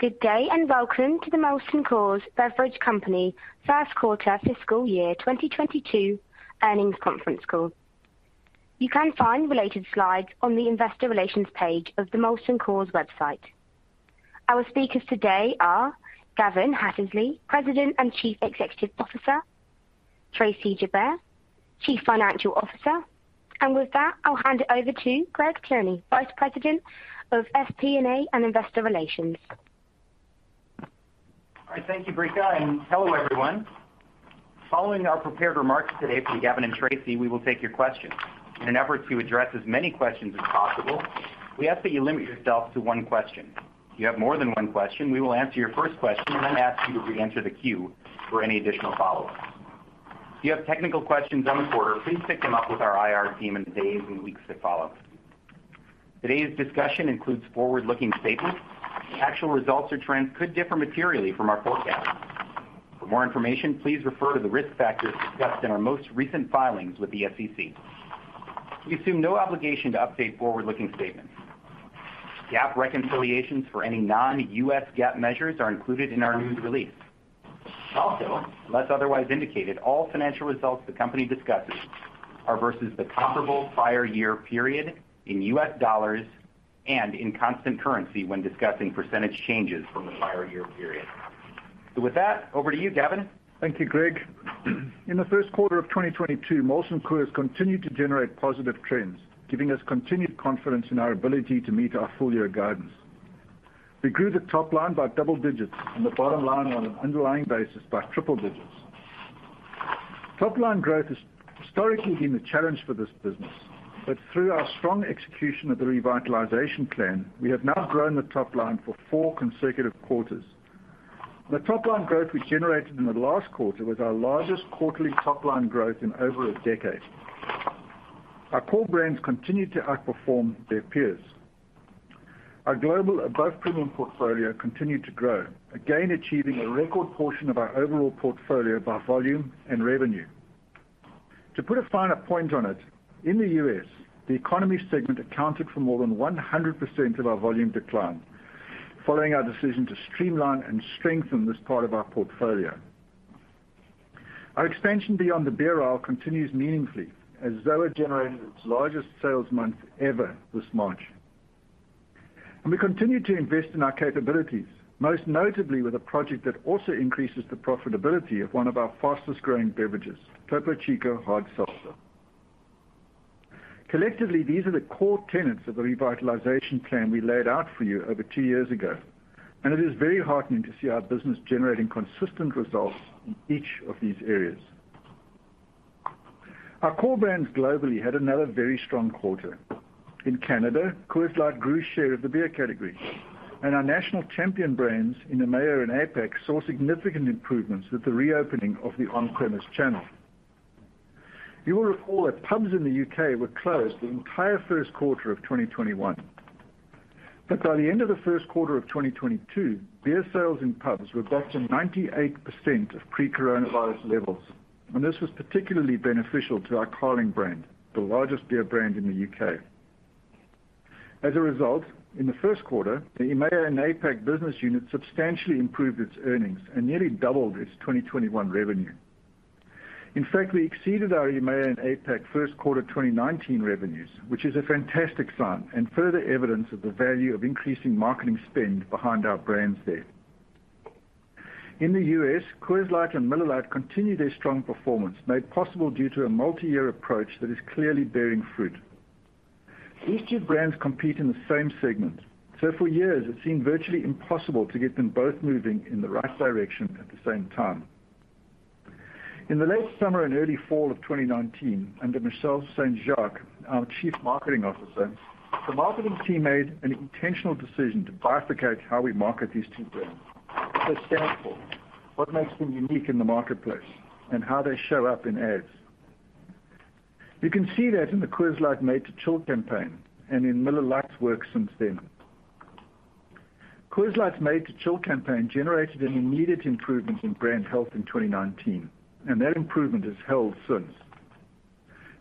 Good day, and welcome to the Molson Coors Beverage Company first quarter fiscal year 2022 earnings conference call. You can find related slides on the investor relations page of the Molson Coors website. Our speakers today are Gavin Hattersley, President and Chief Executive Officer, Tracey Joubert, Chief Financial Officer. With that, I'll hand it over to Greg Tierney, Vice President of FP&A and Investor Relations. All right. Thank you, Operator, and hello, everyone. Following our prepared remarks today from Gavin and Tracey, we will take your questions. In an effort to address as many questions as possible, we ask that you limit yourself to one question. If you have more than one question, we will answer your first question and then ask you to re-enter the queue for any additional follow-ups. If you have technical questions on the quarter, please pick them up with our IR team in the days and weeks that follow. Today's discussion includes forward-looking statements. Actual results or trends could differ materially from our forecast. For more information, please refer to the risk factors discussed in our most recent filings with the SEC. We assume no obligation to update forward-looking statements. GAAP reconciliations for any non-GAAP measures are included in our news release. Also, unless otherwise indicated, all financial results the company discusses are versus the comparable prior year period in US dollars and in constant currency when discussing percentage changes from the prior year period. With that, over to you, Gavin. Thank you, Greg. In the first quarter of 2022, Molson Coors continued to generate positive trends, giving us continued confidence in our ability to meet our full year guidance. We grew the top line by double digits and the bottom line on an underlying basis by triple digits. Top line growth has historically been a challenge for this business, but through our strong execution of the revitalization plan, we have now grown the top line for four consecutive quarters. The top line growth we generated in the last quarter was our largest quarterly top line growth in over a decade. Our core brands continued to outperform their peers. Our global above premium portfolio continued to grow, again, achieving a record portion of our overall portfolio by volume and revenue. To put a finer point on it, in the U.S., the economy segment accounted for more than 100% of our volume decline, following our decision to streamline and strengthen this part of our portfolio. Our expansion beyond the beer aisle continues meaningfully as Zoa generated its largest sales month ever this March. We continue to invest in our capabilities, most notably with a project that also increases the profitability of one of our fastest-growing beverages, Topo Chico Hard Seltzer. Collectively, these are the core tenets of the revitalization plan we laid out for you over two years ago, and it is very heartening to see our business generating consistent results in each of these areas. Our core brands globally had another very strong quarter. In Canada, Coors Light grew share of the beer category, and our national champion brands in EMEA and APAC saw significant improvements with the reopening of the on-premise channel. You will recall that pubs in the U.K. were closed the entire first quarter of 2021. By the end of the first quarter of 2022, beer sales in pubs were back to 98% of pre-coronavirus levels, and this was particularly beneficial to our Carling brand, the largest beer brand in the U.K. As a result, in the first quarter, the EMEA and APAC business unit substantially improved its earnings and nearly doubled its 2021 revenue. In fact, we exceeded our EMEA and APAC first quarter 2019 revenues, which is a fantastic sign and further evidence of the value of increasing marketing spend behind our brands there. In the U.S., Coors Light and Miller Lite continued their strong performance made possible due to a multi-year approach that is clearly bearing fruit. These two brands compete in the same segment, so for years it seemed virtually impossible to get them both moving in the right direction at the same time. In the late summer and early fall of 2019, under Michelle St. Jacques, our Chief Marketing Officer, the marketing team made an intentional decision to bifurcate how we market these two brands, their stand for, what makes them unique in the marketplace, and how they show up in ads. You can see that in the Coors Light Made to Chill campaign and in Miller Lite's work since then. Coors Light's Made to Chill campaign generated an immediate improvement in brand health in 2019, and that improvement has held since.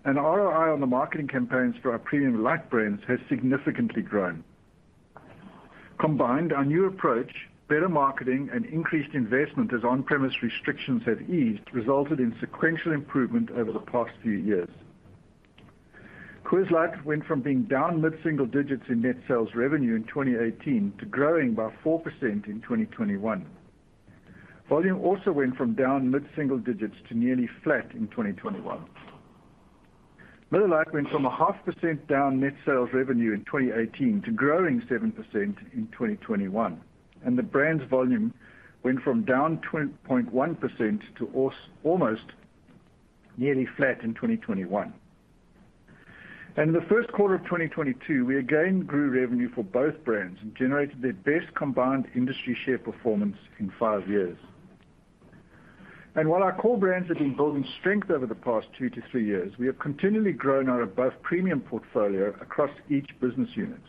ROI on the marketing campaigns for our premium light brands has significantly grown. Combined, our new approach, better marketing, and increased investment, as on-premise restrictions have eased, resulted in sequential improvement over the past few years. Coors Light went from being down mid-single digits in net sales revenue in 2018 to growing by 4% in 2021. Volume also went from down mid-single digits to nearly flat in 2021. Miller Lite went from 0.5% down net sales revenue in 2018 to growing 7% in 2021, and the brand's volume went from down 20.1% to almost nearly flat in 2021. In the first quarter of 2022, we again grew revenue for both brands and generated their best combined industry share performance in five years. While our core brands have been building strength over the past two-three years, we have continually grown our above premium portfolio across each business unit.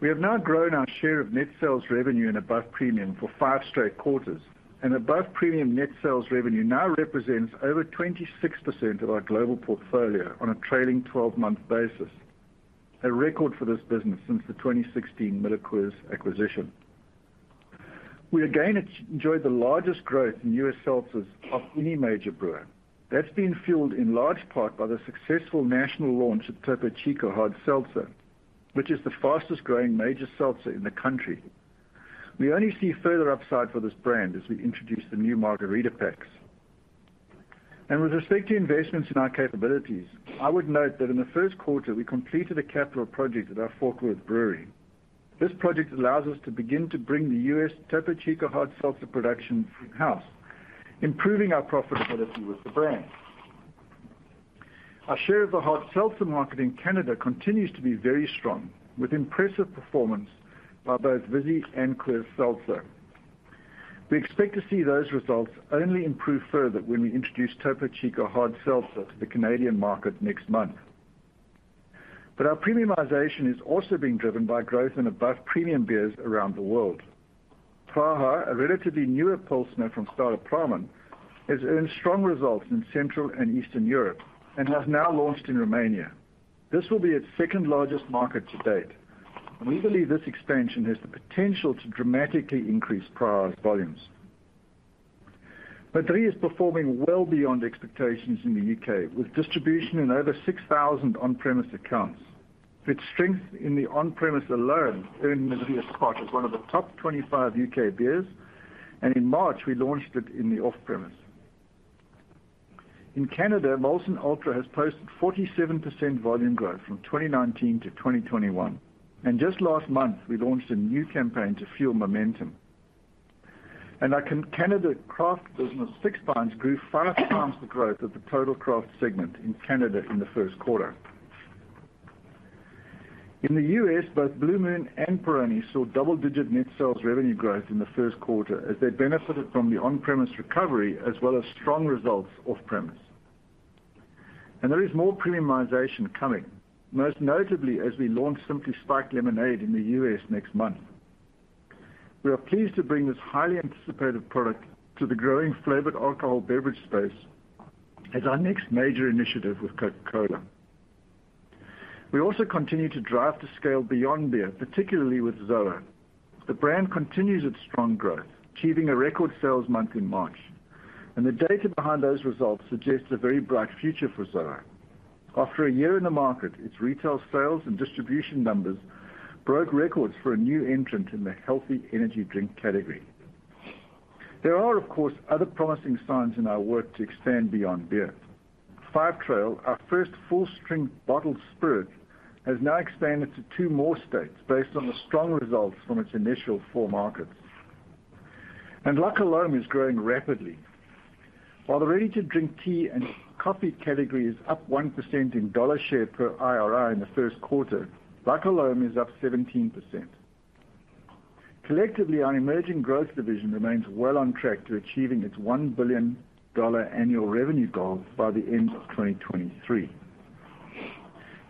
We have now grown our share of net sales revenue and above premium for five straight quarters, and above premium net sales revenue now represents over 26% of our global portfolio on a trailing 12-month basis, a record for this business since the 2016 MillerCoors acquisition. We again enjoyed the largest growth in U.S. seltzers of any major brewer. That's been fueled in large part by the successful national launch of Topo Chico Hard Seltzer, which is the fastest-growing major seltzer in the country. We only see further upside for this brand as we introduce the new margarita packs. With respect to investments in our capabilities, I would note that in the first quarter, we completed a capital project at our Fort Worth brewery. This project allows us to begin to bring the US Topo Chico Hard Seltzer production in-house, improving our profitability with the brand. Our share of the hard seltzer market in Canada continues to be very strong, with impressive performance by both Vizzy and Coors Seltzer. We expect to see those results only improve further when we introduce Topo Chico Hard Seltzer to the Canadian market next month. Our premiumization is also being driven by growth in above premium beers around the world. Praha, a relatively newer pilsner from Staropramen, has earned strong results in Central and Eastern Europe and has now launched in Romania. This will be its second-largest market to date, and we believe this expansion has the potential to dramatically increase Praha's volumes. Madrí is performing well beyond expectations in the U.K., with distribution in over 6,000 on-premise accounts. Its strength in the on-premise alone earned Madrí a spot as one of the top 25 UK beers, and in March, we launched it in the off-premise. In Canada, Molson Ultra has posted 47% volume growth from 2019 - 2021. Just last month, we launched a new campaign to fuel momentum. Our Canada craft business, Six Pints, grew five times the growth of the total craft segment in Canada in the first quarter. In the U.S., both Blue Moon and Peroni saw double-digit net sales revenue growth in the first quarter as they benefited from the on-premise recovery as well as strong results off-premise. There is more premiumization coming, most notably as we launch Simply Spiked Lemonade in the U.S. next month. We are pleased to bring this highly anticipated product to the growing flavored alcohol beverage space as our next major initiative with Coca-Cola. We also continue to drive to scale beyond beer, particularly with Zoa. The brand continues its strong growth, achieving a record sales month in March, and the data behind those results suggests a very bright future for Zoa. After a year in the market, its retail sales and distribution numbers broke records for a new entrant in the healthy energy drink category. There are, of course, other promising signs in our work to expand beyond beer. Five Trail, our first full-strength bottled spirit, has now expanded to two more states based on the strong results from its initial four markets. LaCroix is growing rapidly. While the ready-to-drink tea and coffee category is up 1% in dollar share per IRI in the first quarter, LaCroix is up 17%. Collectively, our emerging growth division remains well on track to achieving its $1 billion annual revenue goal by the end of 2023.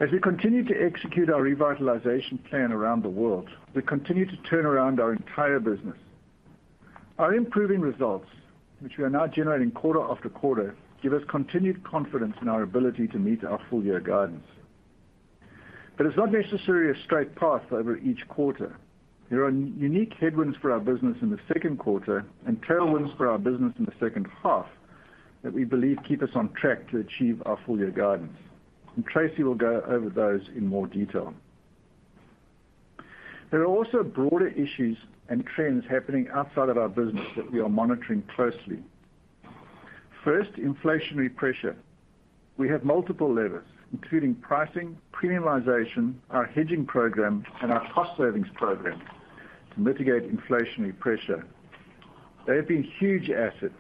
As we continue to execute our revitalization plan around the world, we continue to turn around our entire business. Our improving results, which we are now generating quarter after quarter, give us continued confidence in our ability to meet our full-year guidance. It's not necessarily a straight path over each quarter. There are unique headwinds for our business in the second quarter and tailwinds for our business in the second half that we believe keep us on track to achieve our full-year guidance, and Tracey will go over those in more detail. There are also broader issues and trends happening outside of our business that we are monitoring closely. First, inflationary pressure. We have multiple levers, including pricing, premiumization, our hedging program, and our cost savings program to mitigate inflationary pressure. They have been huge assets,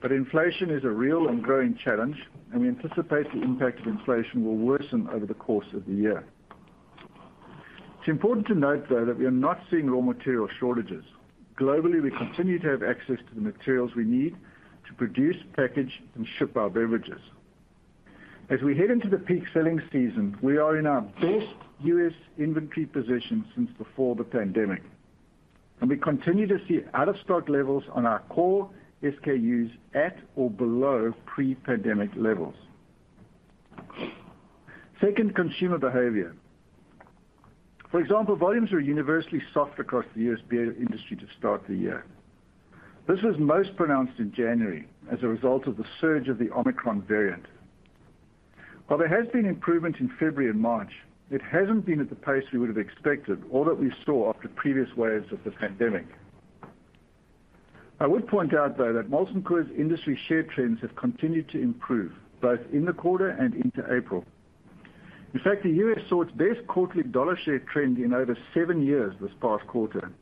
but inflation is a real and growing challenge, and we anticipate the impact of inflation will worsen over the course of the year. It's important to note, though, that we are not seeing raw material shortages. Globally, we continue to have access to the materials we need to produce, package, and ship our beverages. As we head into the peak selling season, we are in our best US inventory position since before the pandemic, and we continue to see out-of-stock levels on our core SKUs at or below pre-pandemic levels. Second, consumer behavior. For example, volumes are universally soft across the US beer industry to start the year. This was most pronounced in January as a result of the surge of the Omicron variant. While there has been improvement in February and March, it hasn't been at the pace we would have expected or that we saw after previous waves of the pandemic. I would point out, though, that Molson Coors industry share trends have continued to improve both in the quarter and into April. In fact, the US saw its best quarterly dollar share trend in over seven years this past quarter.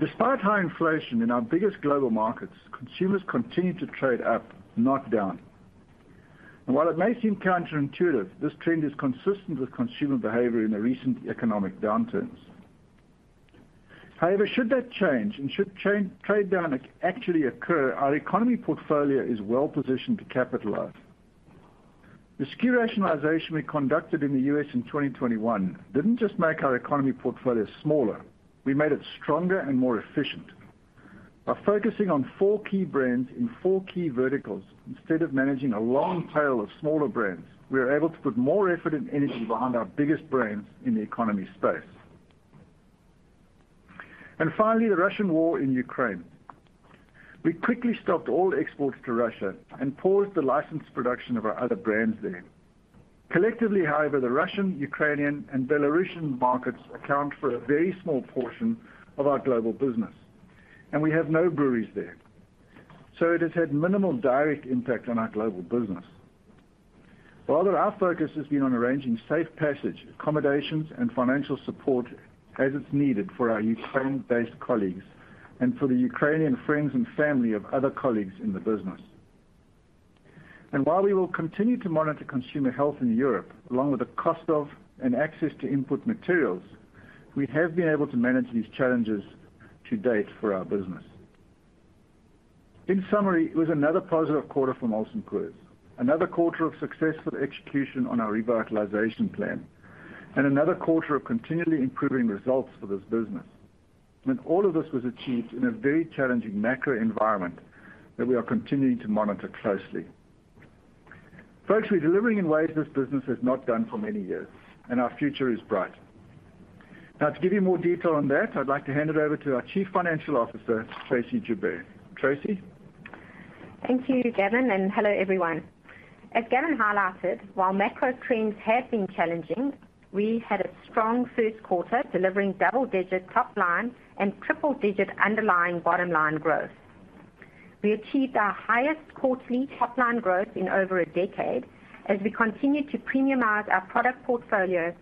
Despite high inflation in our biggest global markets, consumers continue to trade up, not down. While it may seem counterintuitive, this trend is consistent with consumer behavior in the recent economic downturns. However, should that change and should category trade down actually occur, our economy portfolio is well-positioned to capitalize. The SKU rationalization we conducted in the U.S. in 2021 didn't just make our economy portfolio smaller. We made it stronger and more efficient. By focusing on four key brands in four key verticals, instead of managing a long tail of smaller brands, we are able to put more effort and energy behind our biggest brands in the economy space. Finally, the Russian war in Ukraine. We quickly stopped all exports to Russia and paused the licensed production of our other brands there. Collectively, however, the Russian, Ukrainian, and Belarusian markets account for a very small portion of our global business, and we have no breweries there. It has had minimal direct impact on our global business. Rather, our focus has been on arranging safe passage, accommodations, and financial support as it's needed for our Ukraine-based colleagues and for the Ukrainian friends and family of other colleagues in the business. While we will continue to monitor consumer health in Europe, along with the cost of and access to input materials, we have been able to manage these challenges to date for our business. In summary, it was another positive quarter for Molson Coors, another quarter of successful execution on our revitalization plan, and another quarter of continually improving results for this business. All of this was achieved in a very challenging macro environment that we are continuing to monitor closely. Folks, we're delivering in ways this business has not done for many years, and our future is bright. Now, to give you more detail on that, I'd like to hand it over to our Chief Financial Officer, Tracey Joubert. Tracey? Thank you, Gavin, and hello, everyone. As Gavin highlighted, while macro trends have been challenging, we had a strong first quarter, delivering double-digit top line and triple-digit underlying bottom line growth. We achieved our highest quarterly top-line growth in over a decade as we continue to premiumize our product portfolio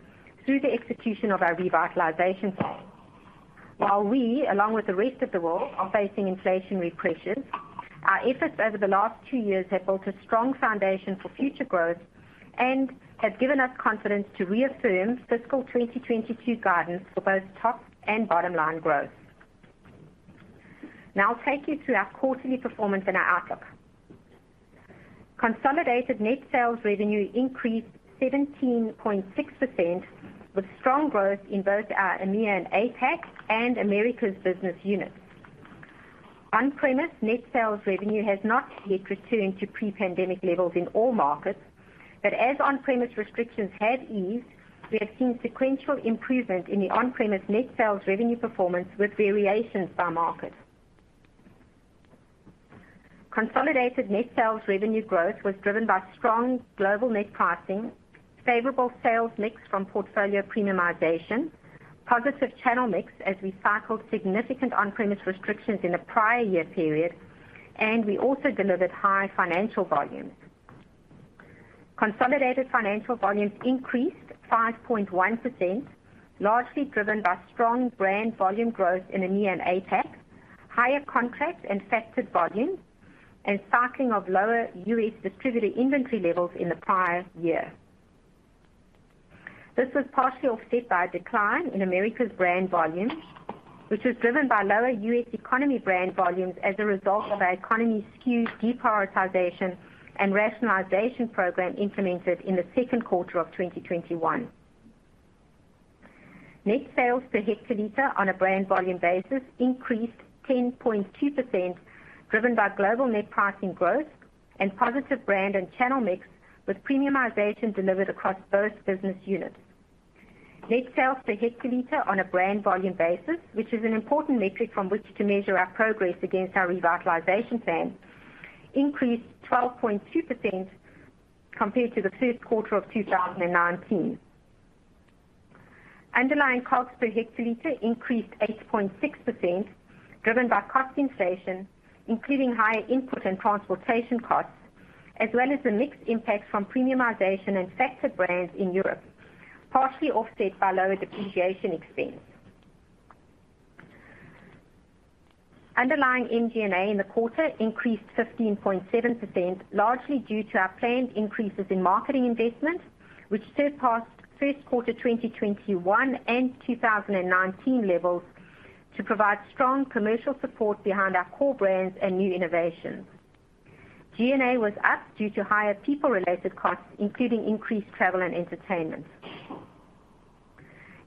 through the execution of our revitalization plan. While we, along with the rest of the world, are facing inflationary pressures, our efforts over the last two years have built a strong foundation for future growth and have given us confidence to reaffirm fiscal 2022 guidance for both top and bottom-line growth. Now I'll take you through our quarterly performance and our outlook. Consolidated net sales revenue increased 17.6%, with strong growth in both our EMEA and APAC and Americas business units. On-premise net sales revenue has not yet returned to pre-pandemic levels in all markets, but as on-premise restrictions have eased, we have seen sequential improvement in the on-premise net sales revenue performance with variations by market. Consolidated net sales revenue growth was driven by strong global net pricing, favorable sales mix from portfolio premiumization, positive channel mix as we cycled significant on-premise restrictions in the prior year period, and we also delivered higher financial volumes. Consolidated financial volumes increased 5.1%, largely driven by strong brand volume growth in EMEA and APAC, higher contract and factored volumes, and cycling of lower US distributor inventory levels in the prior year. This was partially offset by a decline in Americas brand volumes, which was driven by lower US economy brand volumes as a result of our economy SKU deprioritization and rationalization program implemented in the second quarter of 2021. Net sales per hectoliter on a brand volume basis increased 10.2%, driven by global net pricing growth and positive brand and channel mix, with premiumization delivered across both business units. Net sales per hectoliter on a brand volume basis, which is an important metric from which to measure our progress against our revitalization plan, increased 12.2% compared to the first quarter of 2019. Underlying costs per hectoliter increased 8.6%, driven by cost inflation, including higher input and transportation costs, as well as the mixed impact from premiumization and factored brands in Europe, partially offset by lower depreciation expense. Underlying MG&A in the quarter increased 15.7%, largely due to our planned increases in marketing investment, which surpassed first quarter 2021 and 2019 levels to provide strong commercial support behind our core brands and new innovations. G&A was up due to higher people-related costs, including increased travel and entertainment.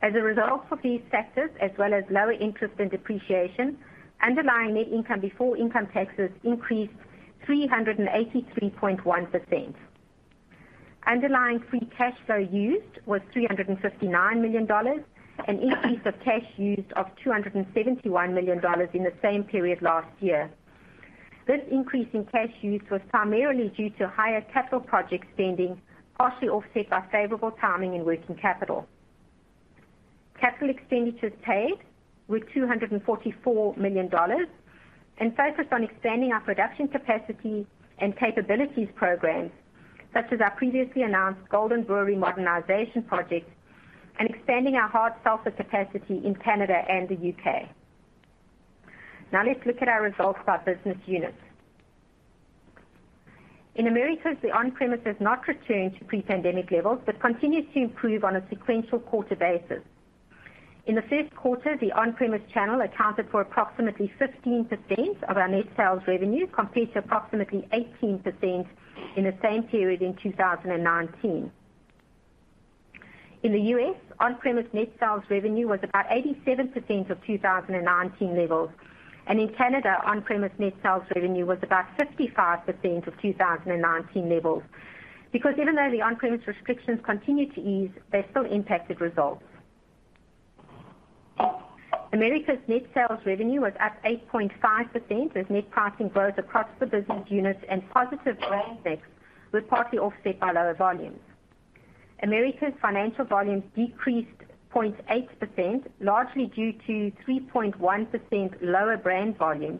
As a result of these factors, as well as lower interest and depreciation, underlying net income before income taxes increased 383.1%. Underlying free cash flow used was $359 million, an increase of cash used of $271 million in the same period last year. This increase in cash used was primarily due to higher capital project spending, partially offset by favorable timing in working capital. Capital expenditures paid were $244 million and focused on expanding our production capacity and capabilities programs, such as our previously announced Golden Brewery modernization project and expanding our hard seltzer capacity in Canada and the U.K. Now let's look at our results by business unit. In Americas, the on-premise has not returned to pre-pandemic levels, but continues to improve on a sequential quarter basis. In the first quarter, the on-premise channel accounted for approximately 15% of our net sales revenue, compared to approximately 18% in the same period in 2019. In the U.S., on-premise net sales revenue was about 87% of 2019 levels. In Canada, on-premise net sales revenue was about 55% of 2019 levels. Because even though the on-premise restrictions continue to ease, they still impacted results. America's net sales revenue was up 8.5% as net pricing growth across the business units and positive brand mix were partly offset by lower volumes. Americas' financial volumes decreased 0.8%, largely due to 3.1% lower brand volumes,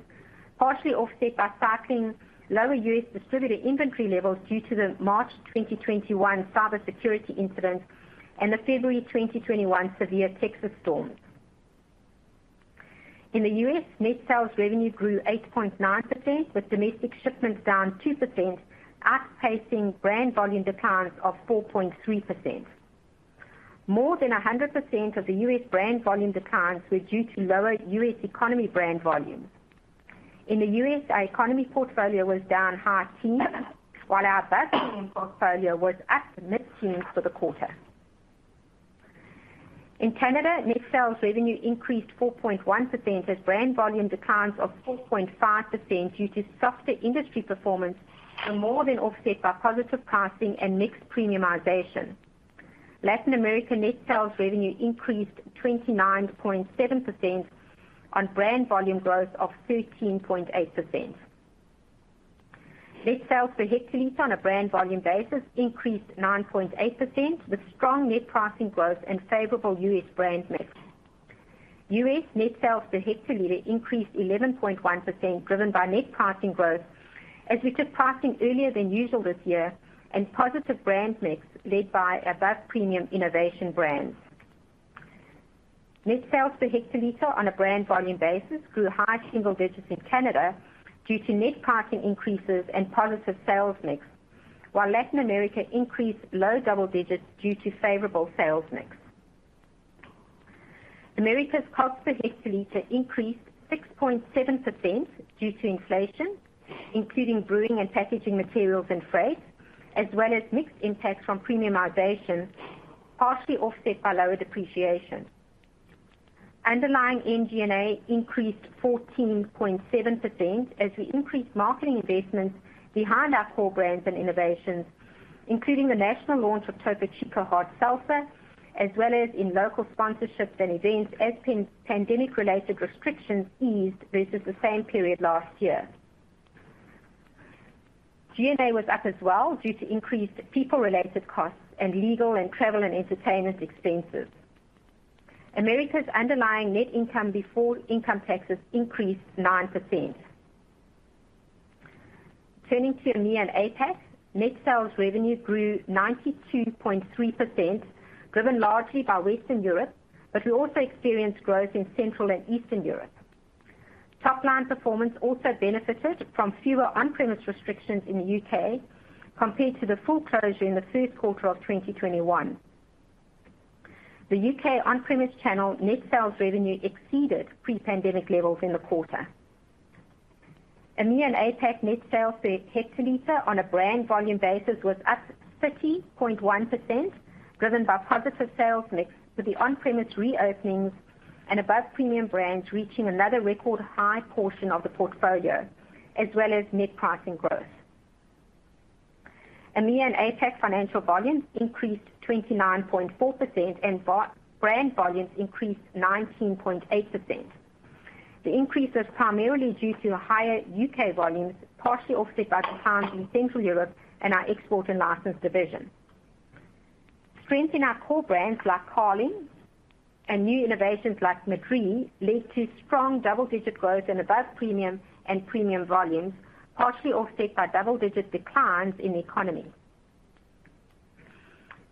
partially offset by cycling lower US distributor inventory levels due to the March 2021 cybersecurity incident and the February 2021 severe Texas storms. In the U.S., net sales revenue grew 8.9%, with domestic shipments down 2%, outpacing brand volume declines of 4.3%. More than 100% of the US brand volume declines were due to lower US Economy brand volumes. In the U.S., our Economy portfolio was down high teens, while our Above Premium portfolio was up mid-teens for the quarter. In Canada, net sales revenue increased 4.1% as brand volume declines of 4.5% due to softer industry performance were more than offset by positive pricing and mix premiumization. Latin America net sales revenue increased 29.7% on brand volume growth of 13.8%. Net sales per hectoliter on a brand volume basis increased 9.8% with strong net pricing growth and favorable US brand mix. US net sales per hectoliter increased 11.1%, driven by net pricing growth as we took pricing earlier than usual this year and positive brand mix led by Above Premium innovation brands. Net sales per hectoliter on a brand volume basis grew high single digits in Canada due to net pricing increases and positive sales mix, while Latin America increased low double digits due to favorable sales mix. Americas' cost per hectoliter increased 6.7% due to inflation, including brewing and packaging materials and freight, as well as mixed impacts from premiumization, partially offset by lower depreciation. Underlying MG&A increased 14.7% as we increased marketing investments behind our core brands and innovations, including the national launch of Topo Chico Hard Seltzer, as well as in local sponsorships and events as post-pandemic related restrictions eased versus the same period last year. G&A was up as well due to increased people-related costs and legal and travel and entertainment expenses. Americas' underlying net income before income taxes increased 9%. Turning to EMEA and APAC. Net sales revenue grew 92.3%, driven largely by Western Europe, but we also experienced growth in Central and Eastern Europe. Top-line performance also benefited from fewer on-premise restrictions in the U.K. compared to the full closure in the first quarter of 2021. The UK on-premise channel net sales revenue exceeded pre-pandemic levels in the quarter. EMEA and APAC net sales per hectoliter on a brand volume basis was up 30.1%, driven by positive sales mix with the on-premise reopenings and Above Premium brands reaching another record high portion of the portfolio, as well as net pricing growth. EMEA and APAC financial volumes increased 29.4%, and brand volumes increased 19.8%. The increase was primarily due to higher UK volumes, partially offset by declines in Central Europe and our export and license division. Strength in our core brands like Carling and new innovations like Madrí led to strong double-digit growth in Above Premium and premium volumes, partially offset by double-digit declines in Economy.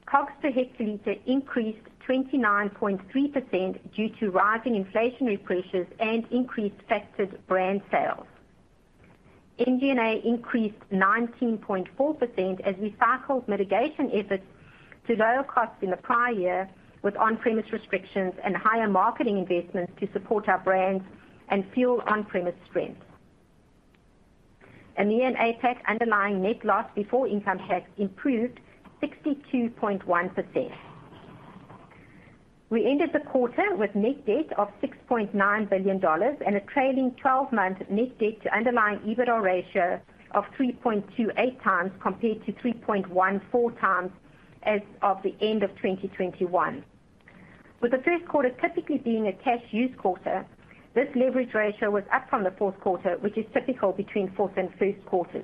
Cost per hectoliter increased 29.3% due to rising inflationary pressures and increased factored brand sales. MG&A increased 19.4% as we cycled mitigation efforts to lower costs in the prior year with on-premise restrictions and higher marketing investments to support our brands and fuel on-premise strength. EMEA and APAC underlying net loss before income tax improved 62.1%. We ended the quarter with net debt of $6.9 billion and a trailing twelve-month net debt to underlying EBITDA ratio of 3.28x compared to 3.14x as of the end of 2021. With the first quarter typically being a cash use quarter, this leverage ratio was up from the fourth quarter, which is typical between fourth and first quarters.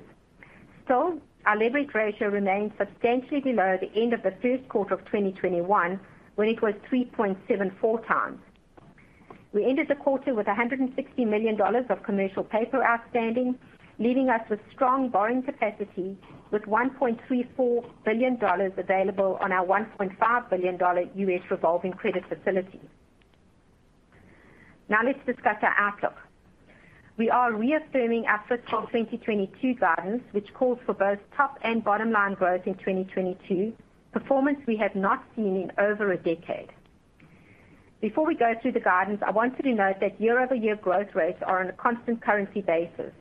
Still, our leverage ratio remains substantially below the end of the first quarter of 2021, when it was 3.74x. We ended the quarter with $160 million of commercial paper outstanding, leaving us with strong borrowing capacity with $1.34 billion available on our $1.5 billion US revolving credit facility. Now let's discuss our outlook. We are reaffirming our fiscal 2022 guidance, which calls for both top and bottom line growth in 2022, performance we have not seen in over a decade. Before we go through the guidance, I want you to note that year-over-year growth rates are on a constant currency basis.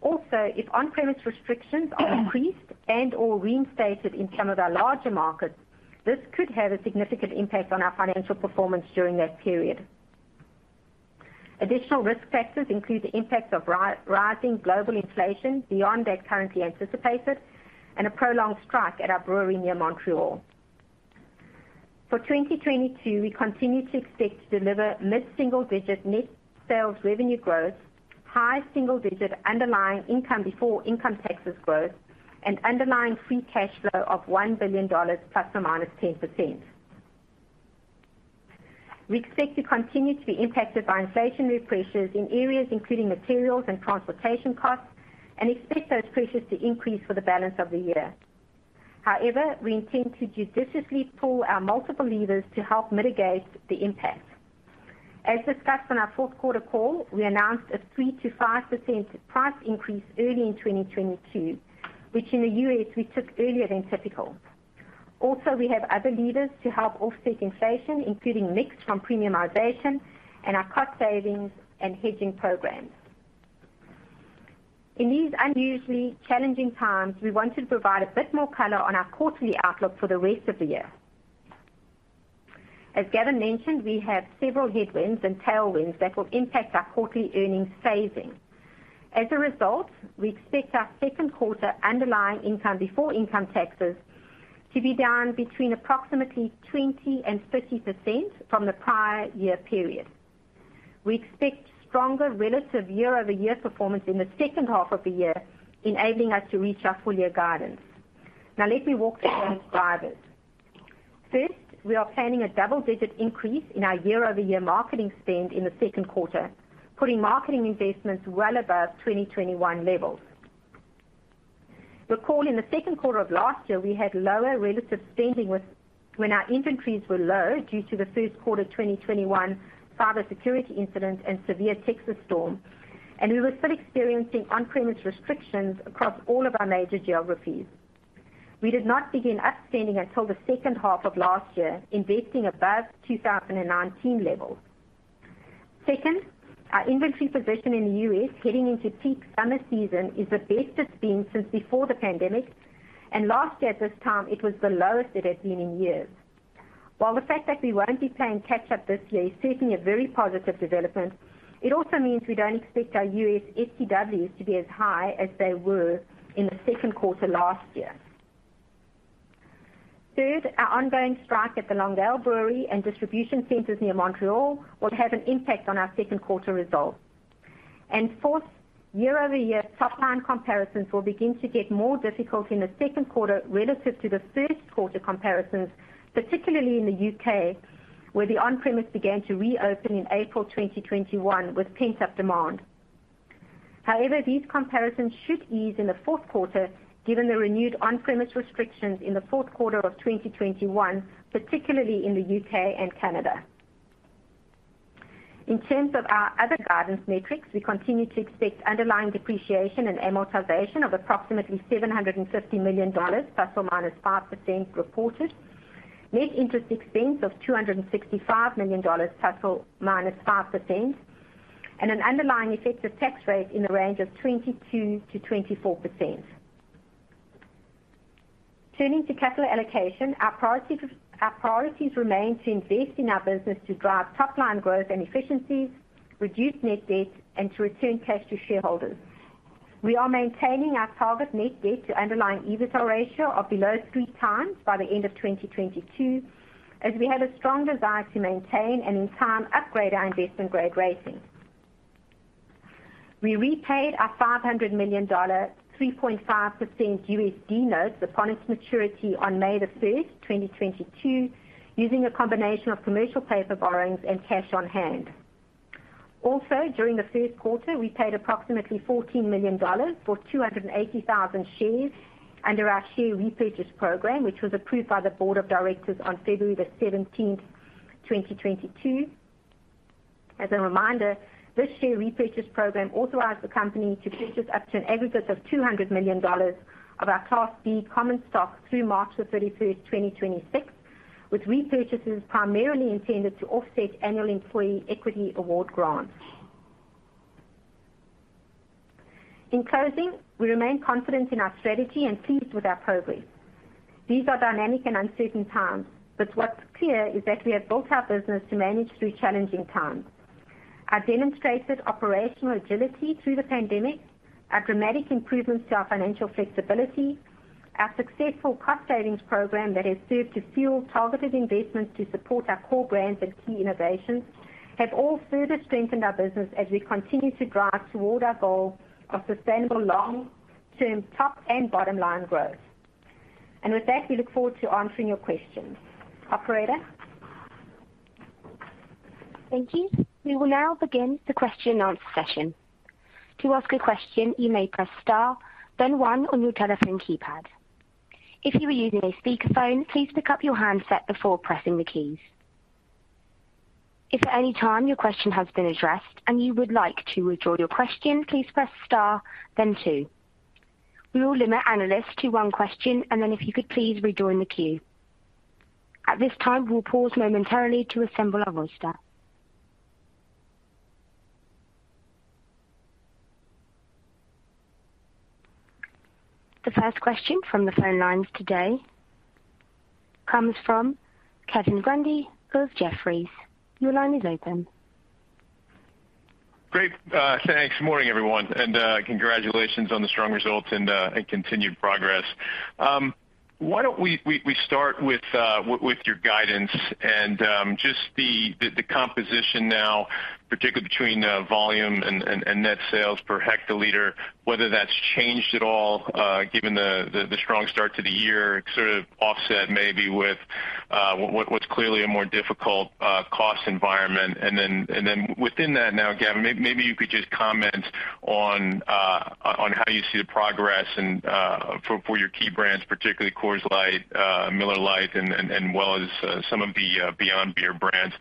Also, if on-premise restrictions are increased and/or reinstated in some of our larger markets, this could have a significant impact on our financial performance during that period. Additional risk factors include the impacts of rising global inflation beyond that currently anticipated and a prolonged strike at our brewery near Montreal. For 2022, we continue to expect to deliver mid-single-digit net sales revenue growth, high single-digit underlying income before income taxes growth, and underlying free cash flow of $1 billion ±10%. We expect to continue to be impacted by inflationary pressures in areas including materials and transportation costs, and expect those pressures to increase for the balance of the year. However, we intend to judiciously pull our multiple levers to help mitigate the impact. As discussed on our fourth quarter call, we announced a 3%-5% price increase early in 2022, which in the U.S. we took earlier than typical. Also, we have other levers to help offset inflation, including mix from premiumization and our cost savings and hedging programs. In these unusually challenging times, we want to provide a bit more color on our quarterly outlook for the rest of the year. As Gavin mentioned, we have several headwinds and tailwinds that will impact our quarterly earnings phasing. As a result, we expect our second quarter underlying income before income taxes to be down between approximately 20%-30% from the prior year period. We expect stronger relative year-over-year performance in the second half of the year, enabling us to reach our full year guidance. Now let me walk through those drivers. First, we are planning a double-digit increase in our year-over-year marketing spend in the second quarter, putting marketing investments well above 2021 levels. Recall in the second quarter of last year, we had lower relative spending when our inventories were low due to the first quarter 2021 cybersecurity incident and severe Texas storm, and we were still experiencing on-premise restrictions across all of our major geographies. We did not begin up-spending until the second half of last year, investing above 2019 levels. Second, our inventory position in the U.S. heading into peak summer season is the best it's been since before the pandemic, and last year at this time it was the lowest it had been in years. While the fact that we won't be playing catch up this year is certainly a very positive development, it also means we don't expect our US STWs to be as high as they were in the second quarter last year. Third, our ongoing strike at the Longueuil brewery and distribution centers near Montreal will have an impact on our second quarter results. Fourth, year-over-year top line comparisons will begin to get more difficult in the second quarter relative to the first quarter comparisons, particularly in the U.K., where the on-premise began to reopen in April 2021 with pent-up demand. However, these comparisons should ease in the fourth quarter given the renewed on-premise restrictions in the fourth quarter of 2021, particularly in the U.K. and Canada. In terms of our other guidance metrics, we continue to expect underlying depreciation and amortization of approximately $750 million ±5% reported, net interest expense of $265 million ±5%, and an underlying effective tax rate in the range of 22%-24%. Turning to capital allocation, our priorities remain to invest in our business to drive top line growth and efficiencies, reduce net debt, and to return cash to shareholders. We are maintaining our target net debt to underlying EBITDA ratio of below three times by the end of 2022, as we have a strong desire to maintain and in time upgrade our investment grade rating. We repaid our $500 million 3.5% USD notes upon its maturity on May 1, 2022, using a combination of commercial paper borrowings and cash on hand. Also, during the first quarter, we paid approximately $14 million for 280,000 shares under our share repurchase program, which was approved by the Board of Directors on February 17th, 2022. As a reminder, this share repurchase program authorized the company to purchase up to an aggregate of $200 million of our Class B common stock through March 31, 2026, with repurchases primarily intended to offset annual employee equity award grants. In closing, we remain confident in our strategy and pleased with our progress. These are dynamic and uncertain times, but what's clear is that we have built our business to manage through challenging times. Our demonstrated operational agility through the pandemic, our dramatic improvements to our financial flexibility, our successful cost savings program that has served to fuel targeted investments to support our core brands and key innovations, have all further strengthened our business as we continue to drive toward our goal of sustainable long-term top and bottom line growth. With that, we look forward to answering your questions. Operator? Thank you. We will now begin the question and answer session. To ask a question, you may press star then one on your telephone keypad. If you are using a speakerphone, please pick up your handset before pressing the keys. If at any time your question has been addressed and you would like to withdraw your question, please press star then two. We will limit analysts to one question, and then if you could please rejoin the queue. At this time, we'll pause momentarily to assemble our roster. The first question from the phone lines today comes from Kevin Grundy of Jefferies. Your line is open. Great. Thanks. Morning, everyone, and congratulations on the strong results and continued progress. Why don't we start with your guidance and just the composition now, particularly between volume and net sales per hectoliter, whether that's changed at all, given the strong start to the year sort of offset maybe with what's clearly a more difficult cost environment. Within that now, Gavin, maybe you could just comment on how you see the progress and for your key brands, particularly Coors Light, Miller Lite, and as well as some of the beyond beer brands,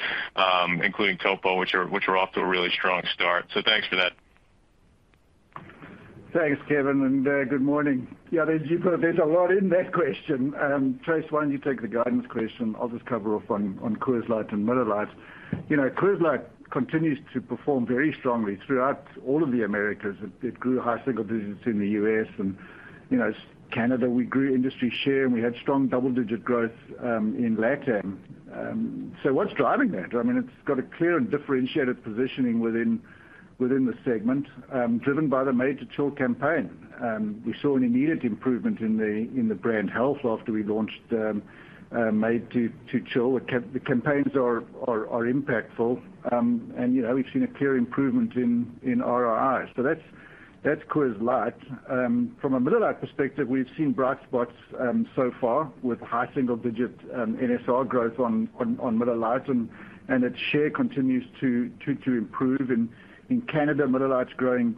including Topo, which are off to a really strong start. Thanks for that. Thanks, Kevin, and good morning. Yeah, there's a lot in that question. Tracey, why don't you take the guidance question? I'll just cover off on Coors Light and Miller Lite. You know, Coors Light continues to perform very strongly throughout all of the Americas. It grew high single digits in the U.S., and, you know, Canada, we grew industry share, and we had strong double-digit growth in LatAm. So what's driving that? I mean, it's got a clear and differentiated positioning within the segment, driven by the Made to Chill campaign. We saw an immediate improvement in the brand health after we launched Made to Chill. The campaigns are impactful. And, you know, we've seen a clear improvement in ROI. So that's Coors Light. From a Miller Lite perspective, we've seen bright spots so far with high single digit NSR growth on Miller Lite, and its share continues to improve. In Canada, Miller Lite's growing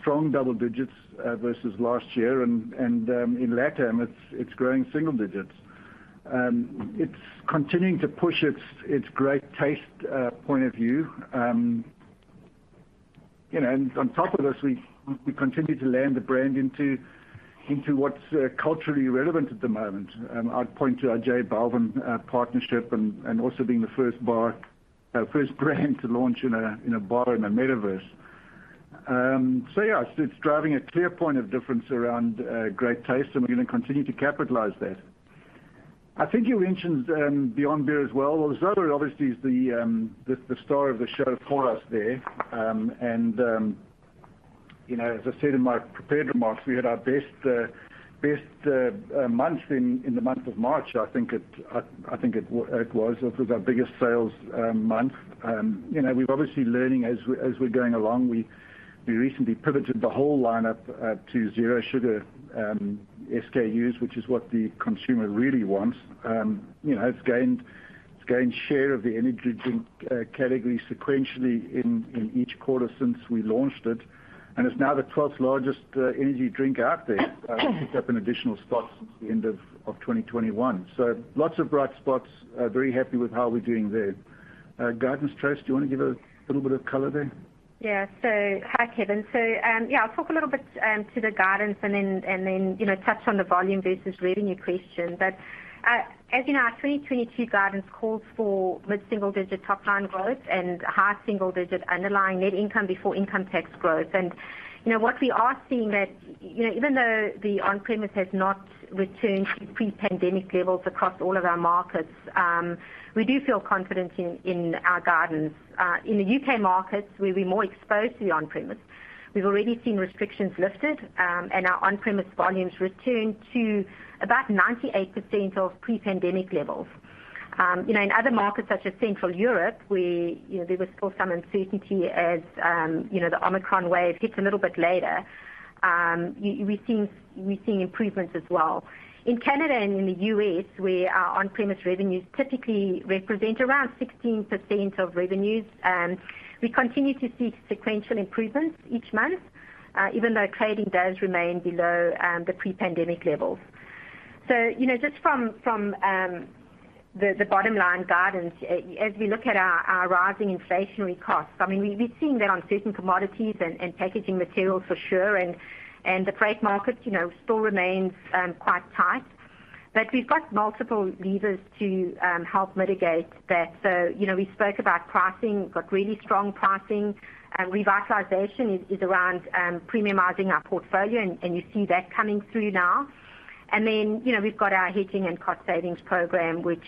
strong double digits versus last year, and in LatAm, it's growing single digits. It's continuing to push its great taste point of view. You know, and on top of this, we continue to land the brand into what's culturally relevant at the moment. I'd point to our J. Balvin partnership and also being the first brand to launch in a bar in a metaverse. Yeah, it's driving a clear point of difference around great taste, and we're gonna continue to capitalize that. I think you mentioned, beyond beer as well. Well, Zoa obviously is the star of the show for us there. You know, as I said in my prepared remarks, we had our best month in the month of March. I think it was. It was our biggest sales month. You know, we're obviously learning as we're going along. We recently pivoted the whole lineup to zero sugar SKUs, which is what the consumer really wants. You know, it's gained share of the energy drink category sequentially in each quarter since we launched it, and it's now the twelfth-largest energy drink out there. Picked up an additional spot since the end of 2021. Lots of bright spots. Very happy with how we're doing there. Guidance, Tracey, do you want to give a little bit of color there? Yeah. Hi, Kevin. Yeah, I'll talk a little bit to the guidance and then, you know, touch on the volume versus revenue question. As you know, our 2022 guidance calls for mid-single-digit top-line growth and high single-digit underlying net income before income tax growth. What we are seeing that, you know, even though the on-premise has not returned to pre-pandemic levels across all of our markets, we do feel confident in our guidance. In the UK markets, where we're more exposed to the on-premise, we've already seen restrictions lifted, and our on-premise volumes return to about 98% of pre-pandemic levels. You know, in other markets such as Central Europe, where, you know, there was still some uncertainty as, you know, the Omicron wave hit a little bit later, we've seen improvements as well. In Canada and in the U.S., where our on-premise revenues typically represent around 16% of revenues, we continue to see sequential improvements each month, even though trading does remain below the pre-pandemic levels. You know, just from the bottom line guidance, as we look at our rising inflationary costs, I mean, we've seen that on certain commodities and packaging materials for sure, and the freight markets, you know, still remains quite tight. But we've got multiple levers to help mitigate that. You know, we spoke about pricing. We've got really strong pricing. Revitalization is around premiumizing our portfolio, and you see that coming through now. Then, you know, we've got our hedging and cost savings program, which,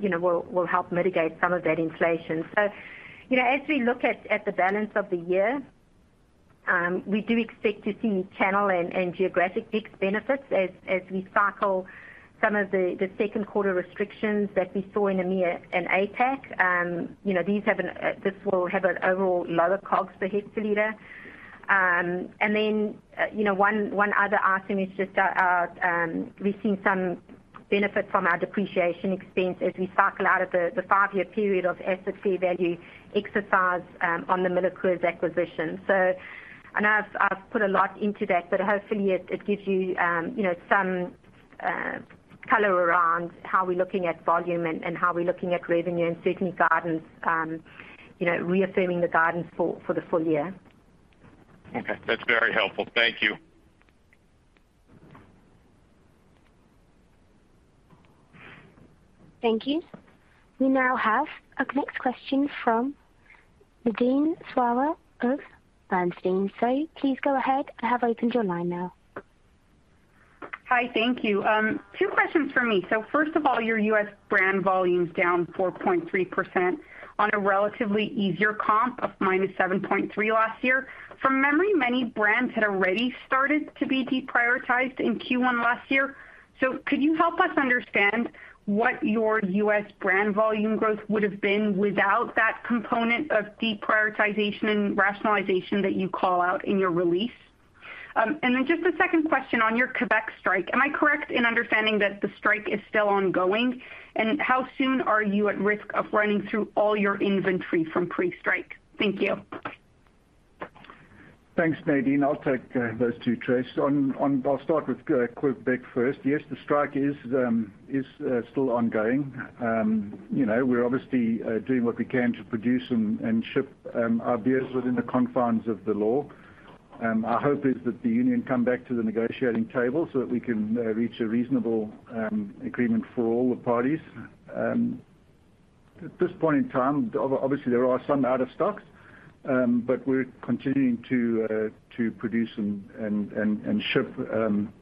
you know, will help mitigate some of that inflation. You know, as we look at the balance of the year, we do expect to see channel and geographic mix benefits as we cycle some of the second quarter restrictions that we saw in EMEA and APAC. You know, this will have an overall lower COGS per hectoliter. Then, you know, one other item is just we've seen some benefit from our depreciation expense as we cycle out of the five-year period of asset fair value exercise on the MillerCoors acquisition. I know I've put a lot into that, but hopefully it gives you know, some Color around how we're looking at volume and how we're looking at revenue and certainly guidance, you know, reaffirming the guidance for the full year. Okay. That's very helpful. Thank you. Thank you. We now have our next question from Nadine Sarwat of Bernstein. Please go ahead. I have opened your line now. Hi. Thank you. Two questions from me. First of all, your US brand volume's down 4.3% on a relatively easier comp of -7.3% last year. From memory, many brands had already started to be deprioritized in Q1 last year. Could you help us understand what your US brand volume growth would have been without that component of deprioritization and rationalization that you call out in your release? Then just a second question on your Quebec strike. Am I correct in understanding that the strike is still ongoing? How soon are you at risk of running through all your inventory from pre-strike? Thank you. Thanks, Nadine. I'll take those two trays. I'll start with Quebec first. Yes, the strike is still ongoing. You know, we're obviously doing what we can to produce and ship our beers within the confines of the law. Our hope is that the union come back to the negotiating table so that we can reach a reasonable agreement for all the parties. At this point in time, obviously there are some out of stocks, but we're continuing to produce and ship in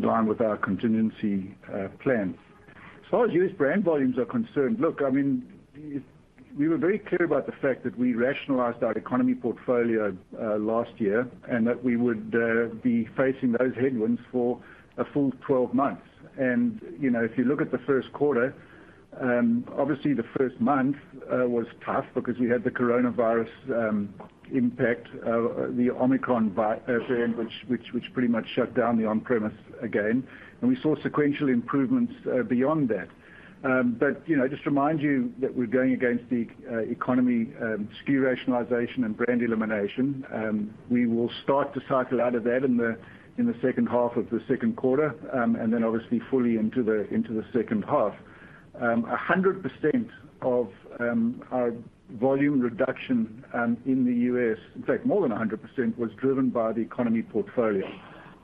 line with our contingency plans. As far as US brand volumes are concerned, look, I mean, it. We were very clear about the fact that we rationalized our economy portfolio last year, and that we would be facing those headwinds for a full 12 months. You know, if you look at the first quarter, obviously the first month was tough because we had the coronavirus impact of the Omicron variant, which pretty much shut down the on-premise again. We saw sequential improvements beyond that. You know, just to remind you that we're going against the economy SKU rationalization and brand elimination. We will start to cycle out of that in the second half of the second quarter, and then obviously fully into the second half. 100% of our volume reduction in the U.S., in fact, more than 100%, was driven by the economy portfolio.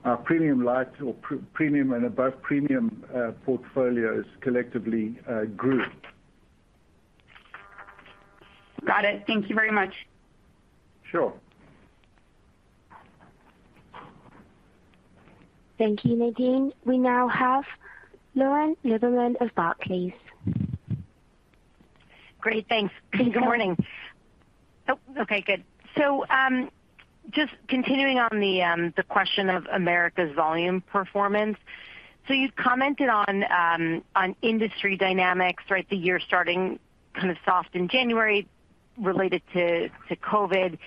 Our premium light or premium and above premium portfolios collectively grew. Got it. Thank you very much. Sure. Thank you, Nadine. We now have Lauren Lieberman of Barclays. Great. Thanks. Welcome. Good morning. Oh, okay, good. Just continuing on the question of America's volume performance. You've commented on industry dynamics, right? The year starting kind of soft in January related to COVID,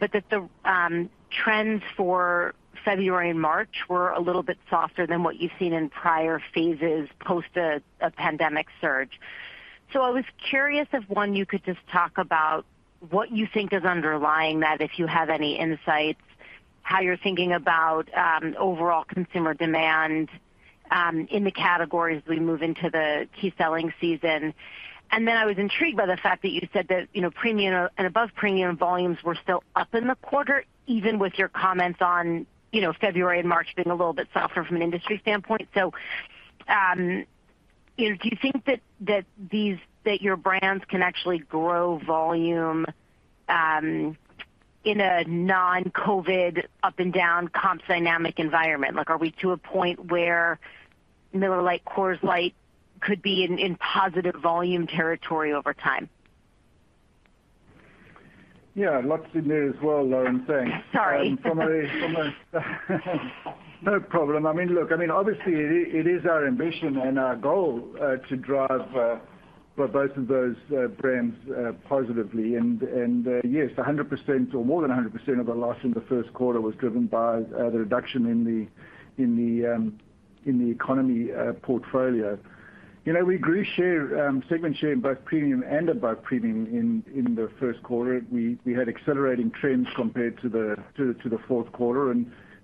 but the trends for February and March were a little bit softer than what you've seen in prior phases post the pandemic surge. I was curious if, one, you could just talk about what you think is underlying that, if you have any insights, how you're thinking about overall consumer demand in the categories as we move into the key selling season. I was intrigued by the fact that you said that, you know, premium and above premium volumes were still up in the quarter, even with your comments on, you know, February and March being a little bit softer from an industry standpoint. You know, do you think that your brands can actually grow volume in a non-COVID up and down comp dynamic environment? Like, are we to a point where Miller Lite, Coors Light could be in positive volume territory over time? Yeah. Lots in there as well, Lauren, thanks. Sorry. No problem. I mean, look, I mean, obviously it is our ambition and our goal to drive for both of those brands positively. Yes, 100% or more than 100% of the loss in the first quarter was driven by the reduction in the economy portfolio. You know, we grew share, segment share in both premium and above premium in the first quarter. We had accelerating trends compared to the fourth quarter.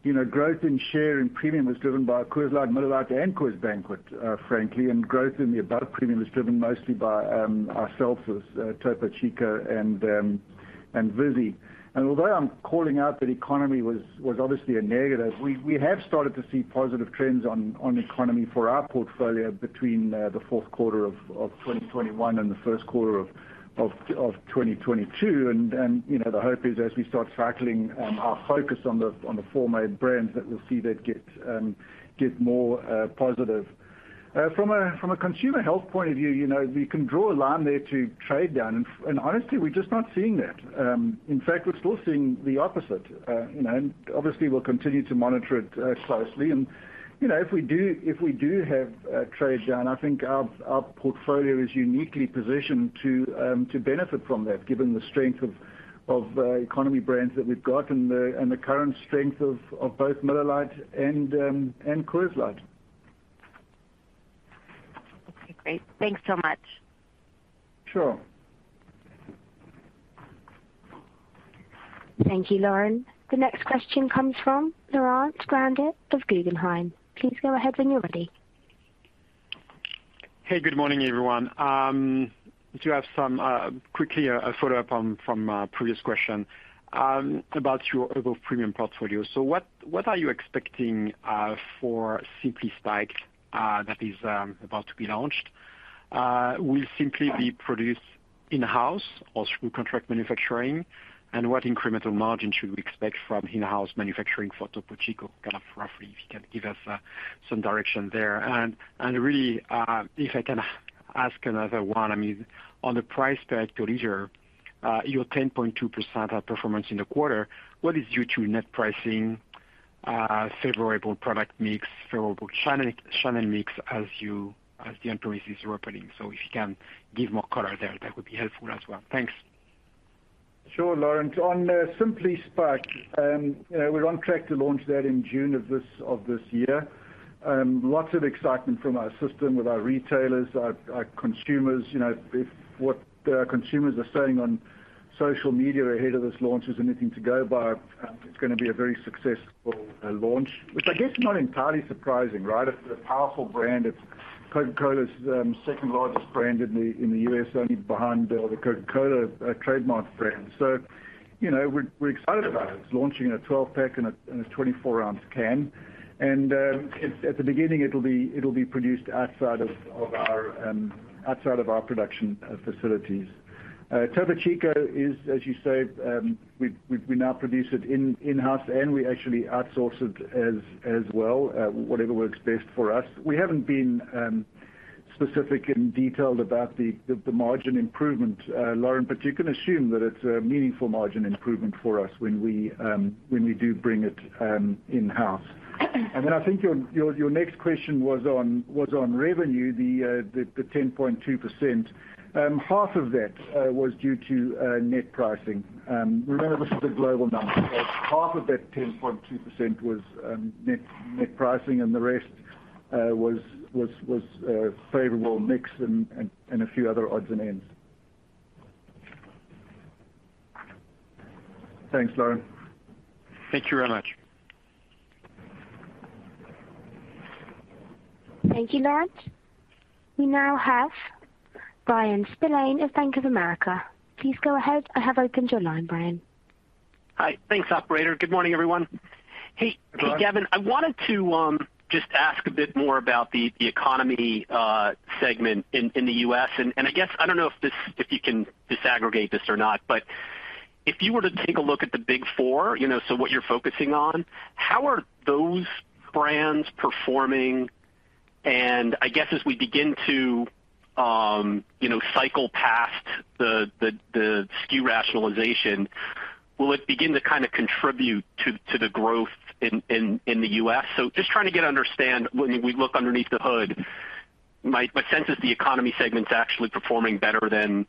You know, growth in share and premium was driven by Coors Light, Miller Lite and Coors Banquet, frankly. Growth in the above premium was driven mostly by ourselves with Topo Chico and Vizzy. Although I'm calling out that economy was obviously a negative, we have started to see positive trends on economy for our portfolio between the fourth quarter of 2021 and the first quarter of 2022. You know, the hope is as we start cycling our focus on the four main brands that we'll see that get more positive. From a consumer health point of view, you know, we can draw a line there to trade down and honestly, we're just not seeing that. In fact, we're still seeing the opposite. You know, and obviously we'll continue to monitor it closely. You know, if we do have trade down, I think our portfolio is uniquely positioned to benefit from that, given the strength of economy brands that we've got and the current strength of both Miller Lite and Coors Light. Okay, great. Thanks so much. Sure. Thank you, Lauren. The next question comes from Laurent Grandet of Guggenheim. Please go ahead when you're ready. Hey, good morning, everyone. Quickly, a follow-up from a previous question about your above-premium portfolio. What are you expecting for Simply Spiked that is about to be launched? Will Simply Spiked be produced in-house or through contract manufacturing? What incremental margin should we expect from in-house manufacturing for Topo Chico? Kind of roughly, if you can give us some direction there. Really, if I can ask another one, I mean, on the price per liter, your 10.2% performance in the quarter, what is due to net pricing, favorable product mix, favorable channel mix as the on-premises are opening. If you can give more color there, that would be helpful as well. Thanks. Sure, Laurent. On Simply Spiked, we're on track to launch that in June of this year. Lots of excitement from our system with our retailers, our consumers. You know, if what our consumers are saying on social media ahead of this launch is anything to go by, it's gonna be a very successful launch, which I guess is not entirely surprising, right? It's a powerful brand. It's Coca-Cola's second-largest brand in the U.S., only behind the Coca-Cola trademark brand. So, you know, we're excited about it. It's launching a 12-pack and a 24-ounce can. At the beginning, it'll be produced outside of our production facilities. Topo Chico is, as you say, we now produce it in-house, and we actually outsource it as well, whatever works best for us. We haven't been specific and detailed about the margin improvement, Lauren, but you can assume that it's a meaningful margin improvement for us when we do bring it in-house. Then I think your next question was on revenue, the 10.2%. Half of that was due to net pricing. Remember this is a global number. Half of that 10.2% was net pricing, and the rest was favorable mix and a few other odds and ends. Thanks, Lauren. Thank you very much. Thank you, Laurent. We now have Bryan Spillane of Bank of America. Please go ahead. I have opened your line, Bryan. Hi. Thanks, operator. Good morning, everyone. Brian. Hey, Gavin. I wanted to just ask a bit more about the economy segment in the U.S. I guess I don't know if this—if you can disaggregate this or not, but if you were to take a look at the Big Four, you know, so what you're focusing on, how are those brands performing? I guess as we begin to cycle past the SKU rationalization, will it begin to kinda contribute to the growth in the U.S.? Just trying to get an understanding, when we look underneath the hood, my sense is the economy segment's actually performing better than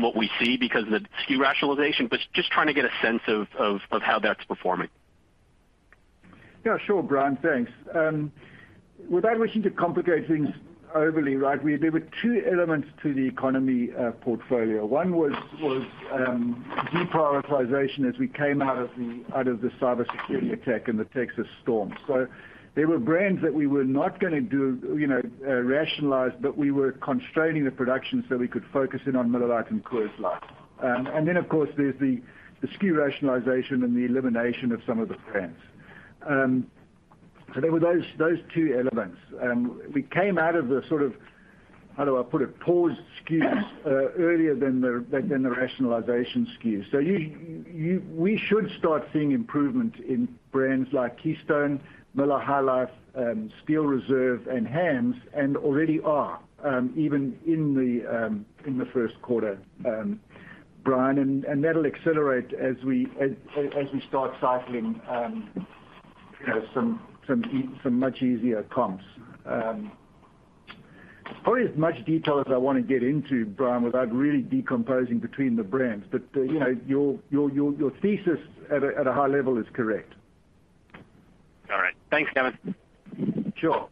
what we see because of the SKU rationalization, but just trying to get a sense of how that's performing. Yeah, sure, Bryan, thanks. Without wishing to complicate things overly, right, there were two elements to the economy portfolio. One was deprioritization as we came out of the cybersecurity attack and the Texas storm. There were brands that we were not gonna do, you know, rationalize, but we were constraining the production so we could focus in on Miller Lite and Coors Light. Of course, there's the SKU rationalization and the elimination of some of the brands. There were those two elements. We came out of the sort of, how do I put it? Paused SKUs earlier than the rationalization SKUs. You... We should start seeing improvement in brands like Keystone, Miller High Life, Steel Reserve, and Hamm's, and already are, even in the first quarter, Bryan, and that'll accelerate as we start cycling, you know, some much easier comps. Probably as much detail as I wanna get into, Bryan, without really decomposing between the brands. You know, your thesis at a high level is correct. All right. Thanks, Gavin. Sure.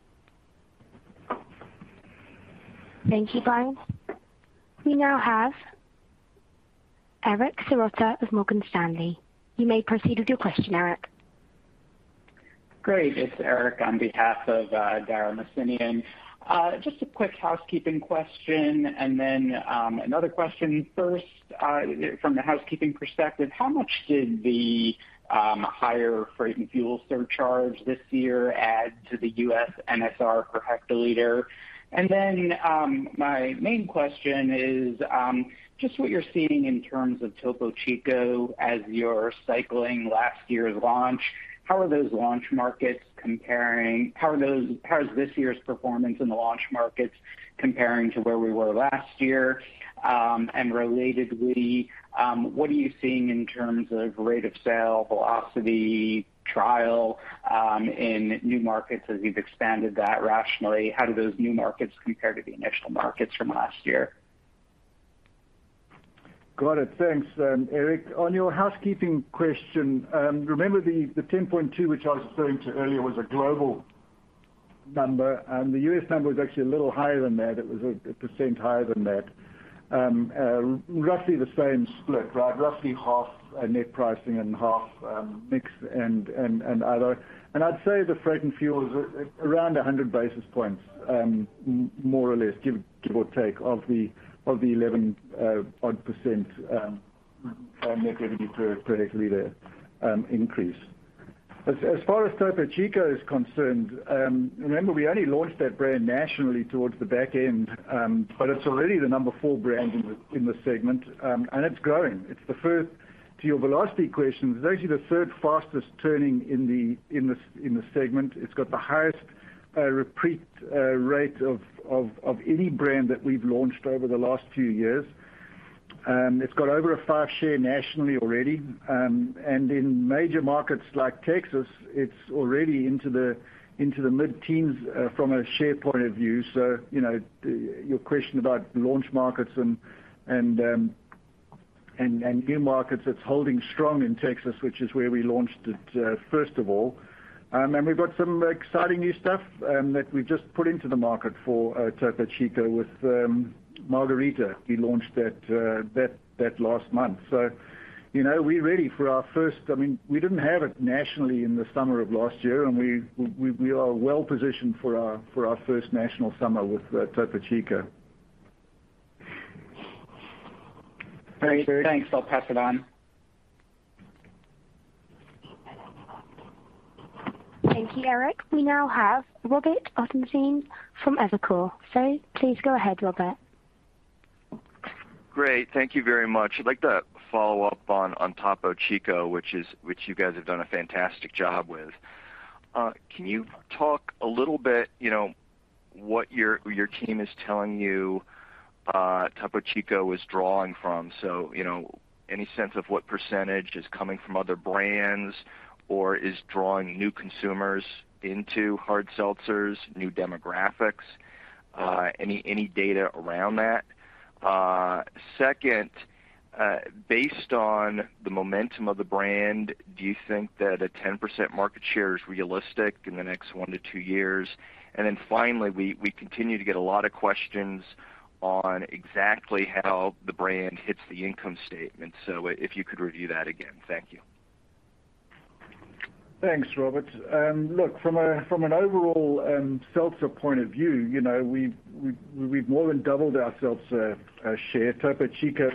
Thank you, Bryan. We now have Eric Serotta of Morgan Stanley. You may proceed with your question, Eric. Great. It's Eric on behalf of Dara Mohsenian. Just a quick housekeeping question and then another question. First, from the housekeeping perspective, how much did the higher freight and fuel surcharge this year add to the US NSR per hectoliter? And then, my main question is just what you're seeing in terms of Topo Chico as you're cycling last year's launch. How are those launch markets comparing? How is this year's performance in the launch markets comparing to where we were last year? And relatedly, what are you seeing in terms of rate of sale, velocity, trial, in new markets as you've expanded that rationally? How do those new markets compare to the initial markets from last year? Got it. Thanks, Eric. On your housekeeping question, remember the 10.2%, which I was referring to earlier, was a global number, and the US number is actually a little higher than that. It was 1% higher than that. Roughly the same split, right? Roughly half net pricing and half mixed and other. I'd say the freight and fuel is around 100 basis points, more or less, give or take of the 11-odd% net revenue per liter increase. As far as Topo Chico is concerned, remember we only launched that brand nationally towards the back end, but it's already the number four brand in the segment, and it's growing. It's the first... To your velocity question, it's actually the third fastest turning in the segment. It's got the highest repeat rate of any brand that we've launched over the last few years. It's got over a 5% share nationally already, and in major markets like Texas, it's already into the mid-teens from a share point of view. You know, your question about launch markets and new markets, it's holding strong in Texas, which is where we launched it first of all. We've got some exciting new stuff that we've just put into the market for Topo Chico with margarita. We launched that last month. You know, we're ready for our first. I mean, we didn't have it nationally in the summer of last year, and we are well positioned for our first national summer with Topo Chico. Great. Thanks. I'll pass it on. Thank you, Eric. We now have Robert Ottenstein from Evercore. Please go ahead, Robert. Great. Thank you very much. I'd like to follow up on Topo Chico, which you guys have done a fantastic job with. Can you talk a little bit, you know, what your team is telling you Topo Chico is drawing from? You know, any sense of what percentage is coming from other brands or is drawing new consumers into hard seltzers, new demographics? Any data around that? Second, based on the momentum of the brand, do you think that a 10% market share is realistic in the next one-two years? Finally, we continue to get a lot of questions on exactly how the brand hits the income statement. If you could review that again. Thank you. Thanks, Robert. Look, from an overall seltzer point of view, you know, we've more than doubled our seltzer share. Topo Chico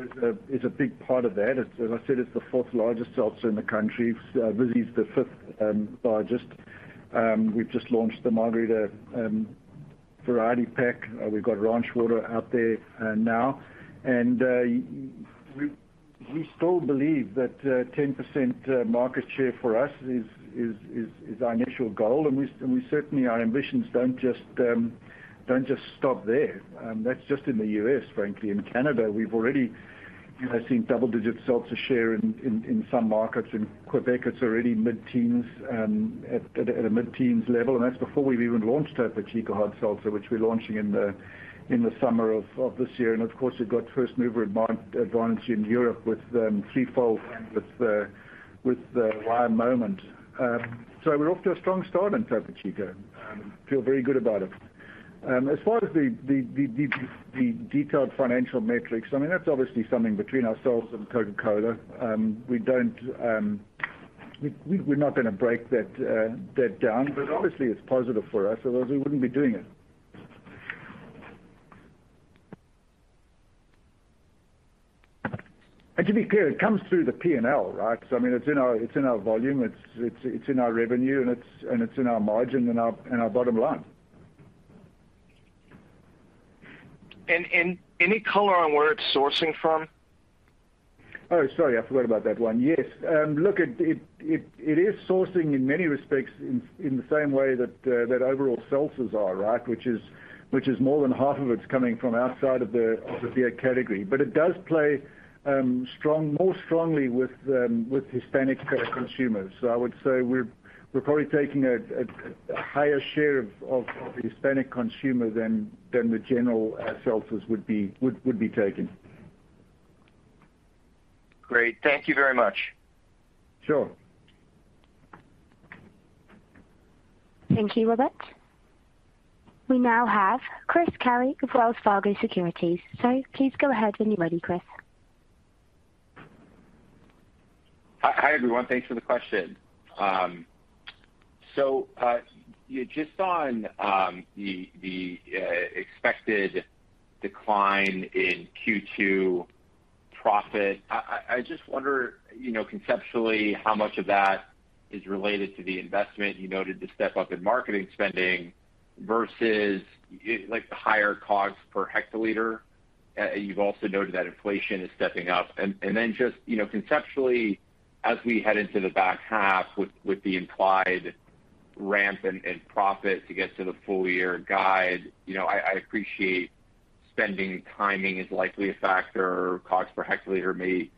is a big part of that. As I said, it's the fourth largest seltzer in the country. Vizzy's the fifth largest. We've just launched the margarita variety pack. We've got Ranch Water out there now. We still believe that 10% market share for us is our initial goal, and certainly our ambitions don't just stop there. That's just in the U.S., frankly. In Canada, we've already you know seen double-digit seltzer share in some markets. In Quebec, it's already mid-teens% at a mid-teens% level, and that's before we've even launched Topo Chico Hard Seltzer, which we're launching in the summer of this year. Of course, we've got first-mover advantage in Europe with Three Fold and with the Wai Moment. We're off to a strong start in Topo Chico. Feel very good about it. As far as the detailed financial metrics, I mean, that's obviously something between ourselves and Coca-Cola. We don't. We're not gonna break that down, but obviously it's positive for us, otherwise we wouldn't be doing it. To be clear, it comes through the P&L, right? I mean, it's in our volume, it's in our revenue, and it's in our margin and our bottom line. Any color on where it's sourcing from? Oh, sorry, I forgot about that one. Yes. Look, it is sourcing in many respects in the same way that overall seltzers are, right? Which is more than half of it's coming from outside of the beer category. It does play more strongly with Hispanic consumers. I would say we're probably taking a higher share of the Hispanic consumer than the general seltzers would be taking. Great. Thank you very much. Sure. Thank you, Robert. We now have Chris Carey with Wells Fargo Securities. Please go ahead when you're ready, Chris. Hi, everyone. Thanks for the question. Just on the expected decline in Q2 profit, I just wonder, you know, conceptually how much of that is related to the investment you noted to step up in marketing spending versus, like the higher cost per hectoliter. You've also noted that inflation is stepping up. Just, you know, conceptually as we head into the back half with the implied ramp in profit to get to the full year guide, you know, I appreciate spending timing is likely a factor. Cost per hectoliter may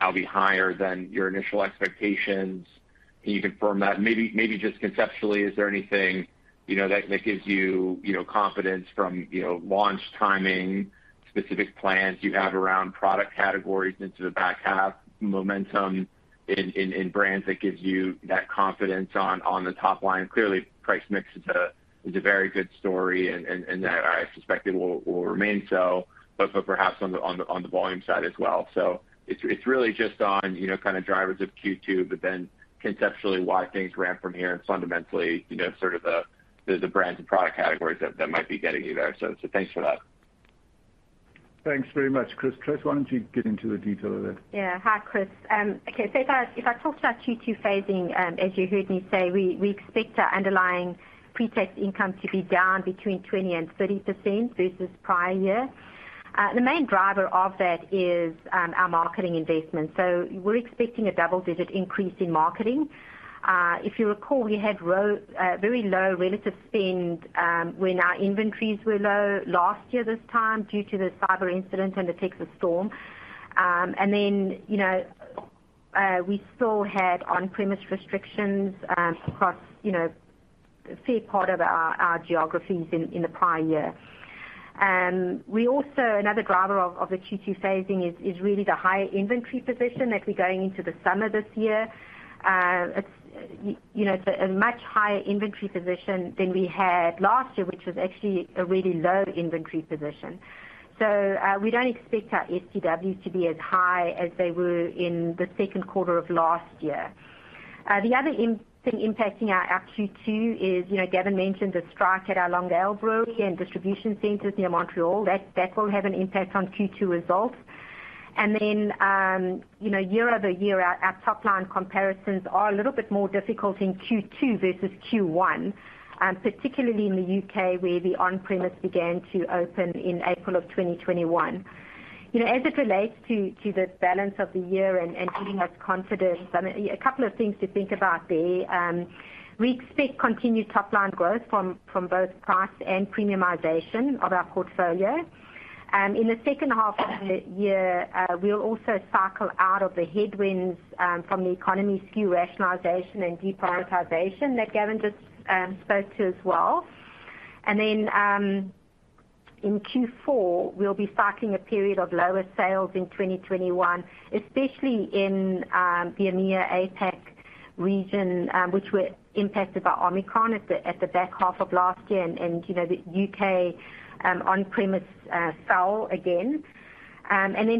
now be higher than your initial expectations. Can you confirm that? Maybe just conceptually, is there anything, you know, that gives you know, confidence from, you know, launch timing, specific plans you have around product categories into the back half, momentum in brands that gives you that confidence on the top line? Clearly, price mix is a very good story and that I suspect it will remain so, but perhaps on the volume side as well. So it's really just on, you know, kind of drivers of Q2, but then conceptually why things ramp from here and fundamentally, you know, sort of the brands and product categories that might be getting you there. So thanks for that. Thanks very much, Chris. Tracey, why don't you get into the detail of that? Yeah. Hi, Chris. Okay. If I talk about Q2 phasing, as you heard me say, we expect our underlying pre-tax income to be down between 20% and 30% versus prior year. The main driver of that is our marketing investments. We're expecting a double-digit increase in marketing. If you recall, we had very low relative spend when our inventories were low last year this time due to the cyber incident and the Texas storm. You know, we still had on-premise restrictions across a fair part of our geographies in the prior year. We also, another driver of the Q2 phasing is really the higher inventory position as we're going into the summer this year. You know, it's a much higher inventory position than we had last year, which was actually a really low inventory position. We don't expect our STWs to be as high as they were in the second quarter of last year. The other thing impacting our Q2 is, you know, Gavin mentioned the strike at our Longueuil brewery and distribution centers near Montreal. That will have an impact on Q2 results. Year over year, our top line comparisons are a little bit more difficult in Q2 versus Q1, particularly in the U.K. where the on-premise began to open in April of 2021. You know, as it relates to the balance of the year and giving us confidence, a couple of things to think about there. We expect continued top line growth from both price and premiumization of our portfolio. In the second half of the year, we'll also cycle out of the headwinds from the economic SKU rationalization and deprioritization that Gavin just spoke to as well. In Q4, we'll be cycling a period of lower sales in 2021, especially in the EMEA, APAC region, which were impacted by Omicron at the back half of last year and, you know, the UK on-premise slow again.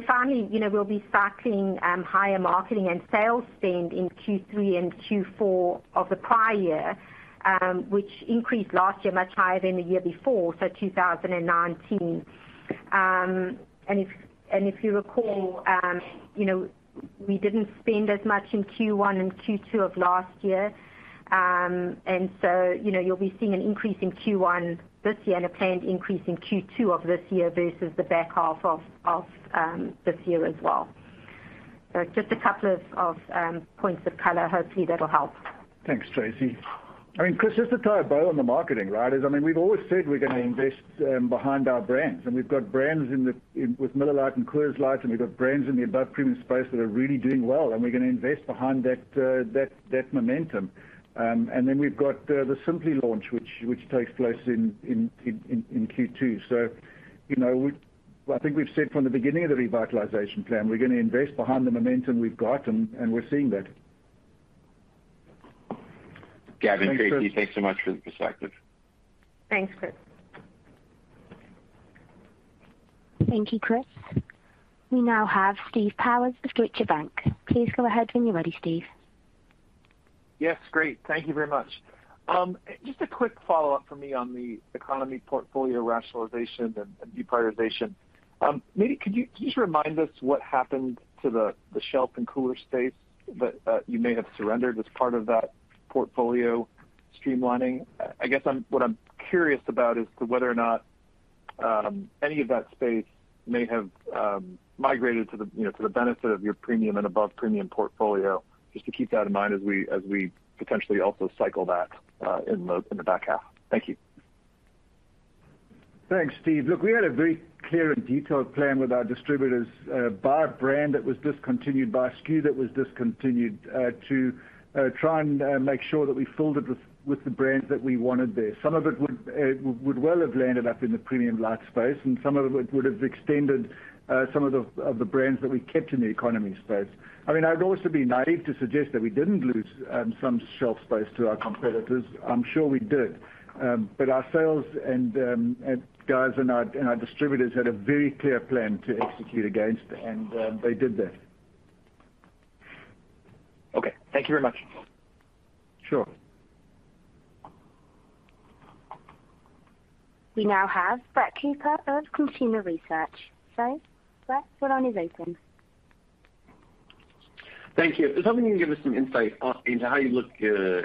Finally, you know, we'll be cycling higher marketing and sales spend in Q3 and Q4 of the prior year, which increased last year much higher than the year before, so 2019. If you recall, you know, we didn't spend as much in Q1 and Q2 of last year. You know, you'll be seeing an increase in Q1 this year and a planned increase in Q2 of this year versus the back half of this year as well. Just a couple of points of color. Hopefully, that'll help. Thanks, Tracey. I mean, Chris, just to tie a bow on the marketing, right? I mean, we've always said we're gonna invest behind our brands, and we've got brands in the with Miller Lite and Coors Light, and we've got brands in the above premium space that are really doing well, and we're gonna invest behind that momentum. And then we've got the Simply Spiked launch, which takes place in Q2. You know, I think we've said from the beginning of the revitalization plan, we're gonna invest behind the momentum we've got and we're seeing that. Gavin, Tracey, thanks so much for the perspective. Thanks, Chris. Thank you, Chris. We now have Steve Powers with Deutsche Bank. Please go ahead when you're ready, Steve. Yes. Great. Thank you very much. Just a quick follow-up from me on the economy portfolio rationalization and deprioritization. Can you just remind us what happened to the shelf and cooler space that you may have surrendered as part of that portfolio streamlining? What I'm curious about is whether or not any of that space may have migrated to the, you know, to the benefit of your premium and above premium portfolio, just to keep that in mind as we potentially also cycle that in the back half. Thank you. Thanks, Steve. Look, we had a very clear and detailed plan with our distributors by brand that was discontinued, by SKU that was discontinued, to try and make sure that we filled it with the brands that we wanted there. Some of it would well have landed up in the premium light space, and some of it would have extended some of the brands that we kept in the economy space. I mean, I would also be naive to suggest that we didn't lose some shelf space to our competitors. I'm sure we did. Our sales and marketing guys and our distributors had a very clear plan to execute against, and they did that. Okay. Thank you very much. Sure. We now have Brett Cooper of Consumer Edge Research. Brett, your line is open. Thank you. Just hoping you can give us some insight on, you know, how you look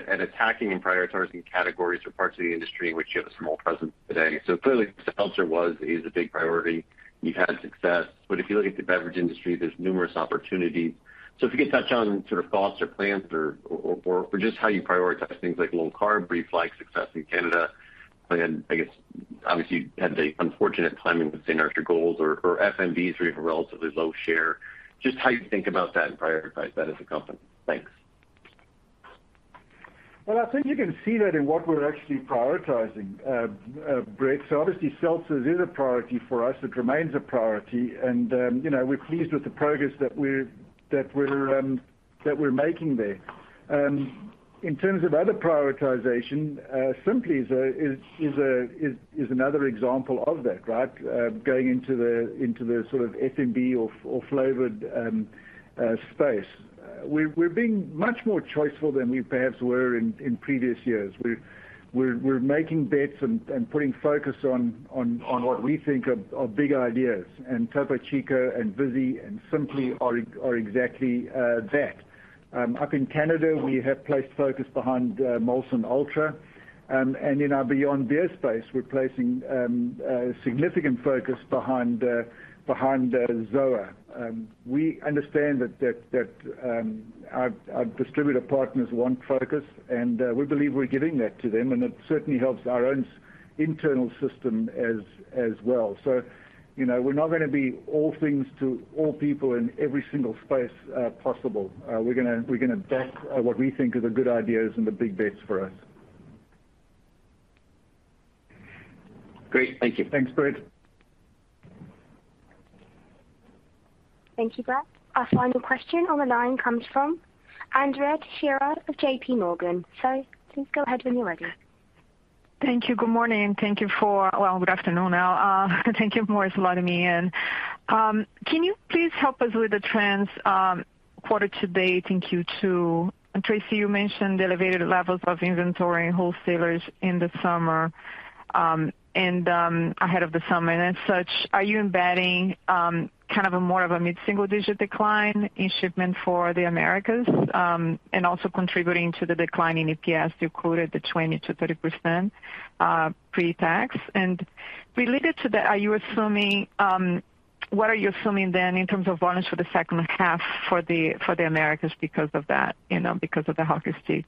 at attacking and prioritizing categories or parts of the industry in which you have a small presence today. Clearly, seltzer was, is a big priority. You've had success. If you look at the beverage industry, there's numerous opportunities. If you could touch on sort of thoughts or plans or just how you prioritize things like low carb beer, like success in Canada, and I guess- Obviously, you had the unfortunate timing with Saint Archer Gold or FMBs are even relatively low share. Just how you think about that and prioritize that as a company. Thanks. Well, I think you can see that in what we're actually prioritizing, Brett. Obviously, seltzers is a priority for us. It remains a priority, and we're pleased with the progress that we're making there. In terms of other prioritization, Simply is another example of that, right? We're being much more choiceful than we perhaps were in previous years. Going into the sort of FMB or flavored space. We're making bets and putting focus on what we think are big ideas, and Topo Chico and Vizzy and Simply are exactly that. Up in Canada, we have placed focus behind Molson Ultra. In our Beyond Beer space, we're placing significant focus behind Zoa. We understand that our distributor partners want focus, and we believe we're giving that to them, and it certainly helps our own internal system as well. You know, we're not gonna be all things to all people in every single space possible. We're gonna back what we think are the good ideas and the big bets for us. Great. Thank you. Thanks, Brett. Thank you, Brett. Our final question on the line comes from Andrea Faria Teixeira of J.P. Morgan. Please go ahead when you're ready. Thank you. Good morning. Thank you for letting me in. Well, good afternoon now. Can you please help us with the trends quarter to date in Q2? Tracey, you mentioned the elevated levels of inventory in wholesalers in the summer and ahead of the summer. As such, are you embedding kind of a more of a mid-single-digit decline in shipment for the Americas and also contributing to the decline in EPS you quoted, the 20%-30% pre-tax? Related to that, are you assuming then in terms of volumes for the second half for the Americas because of that? You know, because of the hockey stick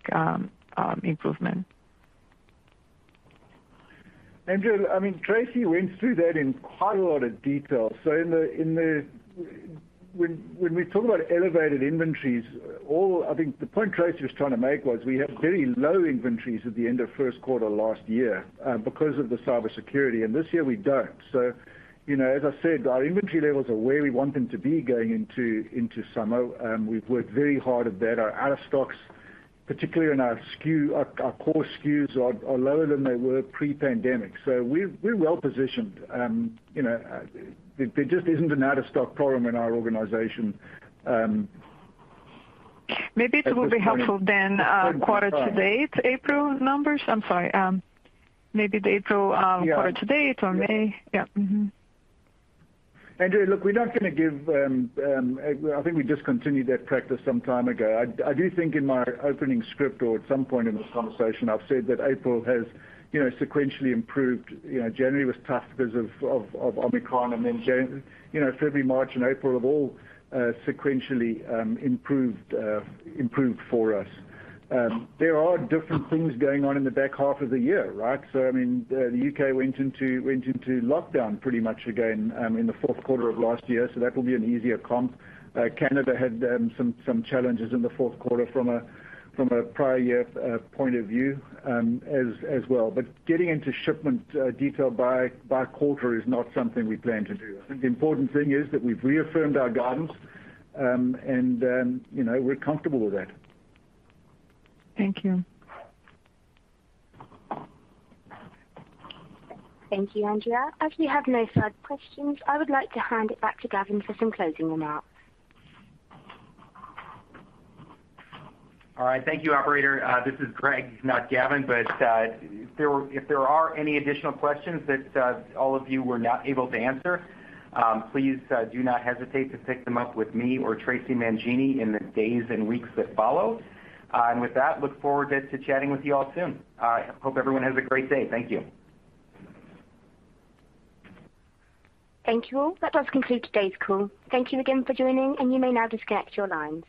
improvement. Andrea, I mean, Tracey went through that in quite a lot of detail. In the... When we talk about elevated inventories, I think the point Tracey was trying to make was we have very low inventories at the end of first quarter last year, because of the cybersecurity, and this year we don't. You know, as I said, our inventory levels are where we want them to be going into summer, we've worked very hard at that. Our out of stocks, particularly in our SKU, our core SKUs are lower than they were pre-pandemic. We're well positioned. You know, there just isn't an out of stock problem in our organization. Maybe it will be helpful then, quarter to date, April numbers. I'm sorry. Maybe the April, quarter to date or May. Yeah. Yeah. Mm-hmm. Andrea, look, we're not gonna give. I think we discontinued that practice some time ago. I do think in my opening script or at some point in the conversation, I've said that April has, you know, sequentially improved. You know, January was tough because of Omicron. You know, February, March, and April have all sequentially improved for us. There are different things going on in the back half of the year, right? I mean, the U.K. went into lockdown pretty much again in the fourth quarter of last year, so that will be an easier comp. Canada had some challenges in the fourth quarter from a prior year point of view, as well. Getting into shipment detail by quarter is not something we plan to do. I think the important thing is that we've reaffirmed our guidance, and you know, we're comfortable with that. Thank you. Thank you, Andrea. As we have no further questions, I would like to hand it back to Gavin for some closing remarks. All right. Thank you, operator. This is Greg, not Gavin, but if there are any additional questions that all of you were not able to answer, please do not hesitate to pick them up with me or Traci Mangini in the days and weeks that follow. With that, look forward to chatting with you all soon. All right. Hope everyone has a great day. Thank you. Thank you all. That does conclude today's call. Thank you again for joining, and you may now disconnect your lines.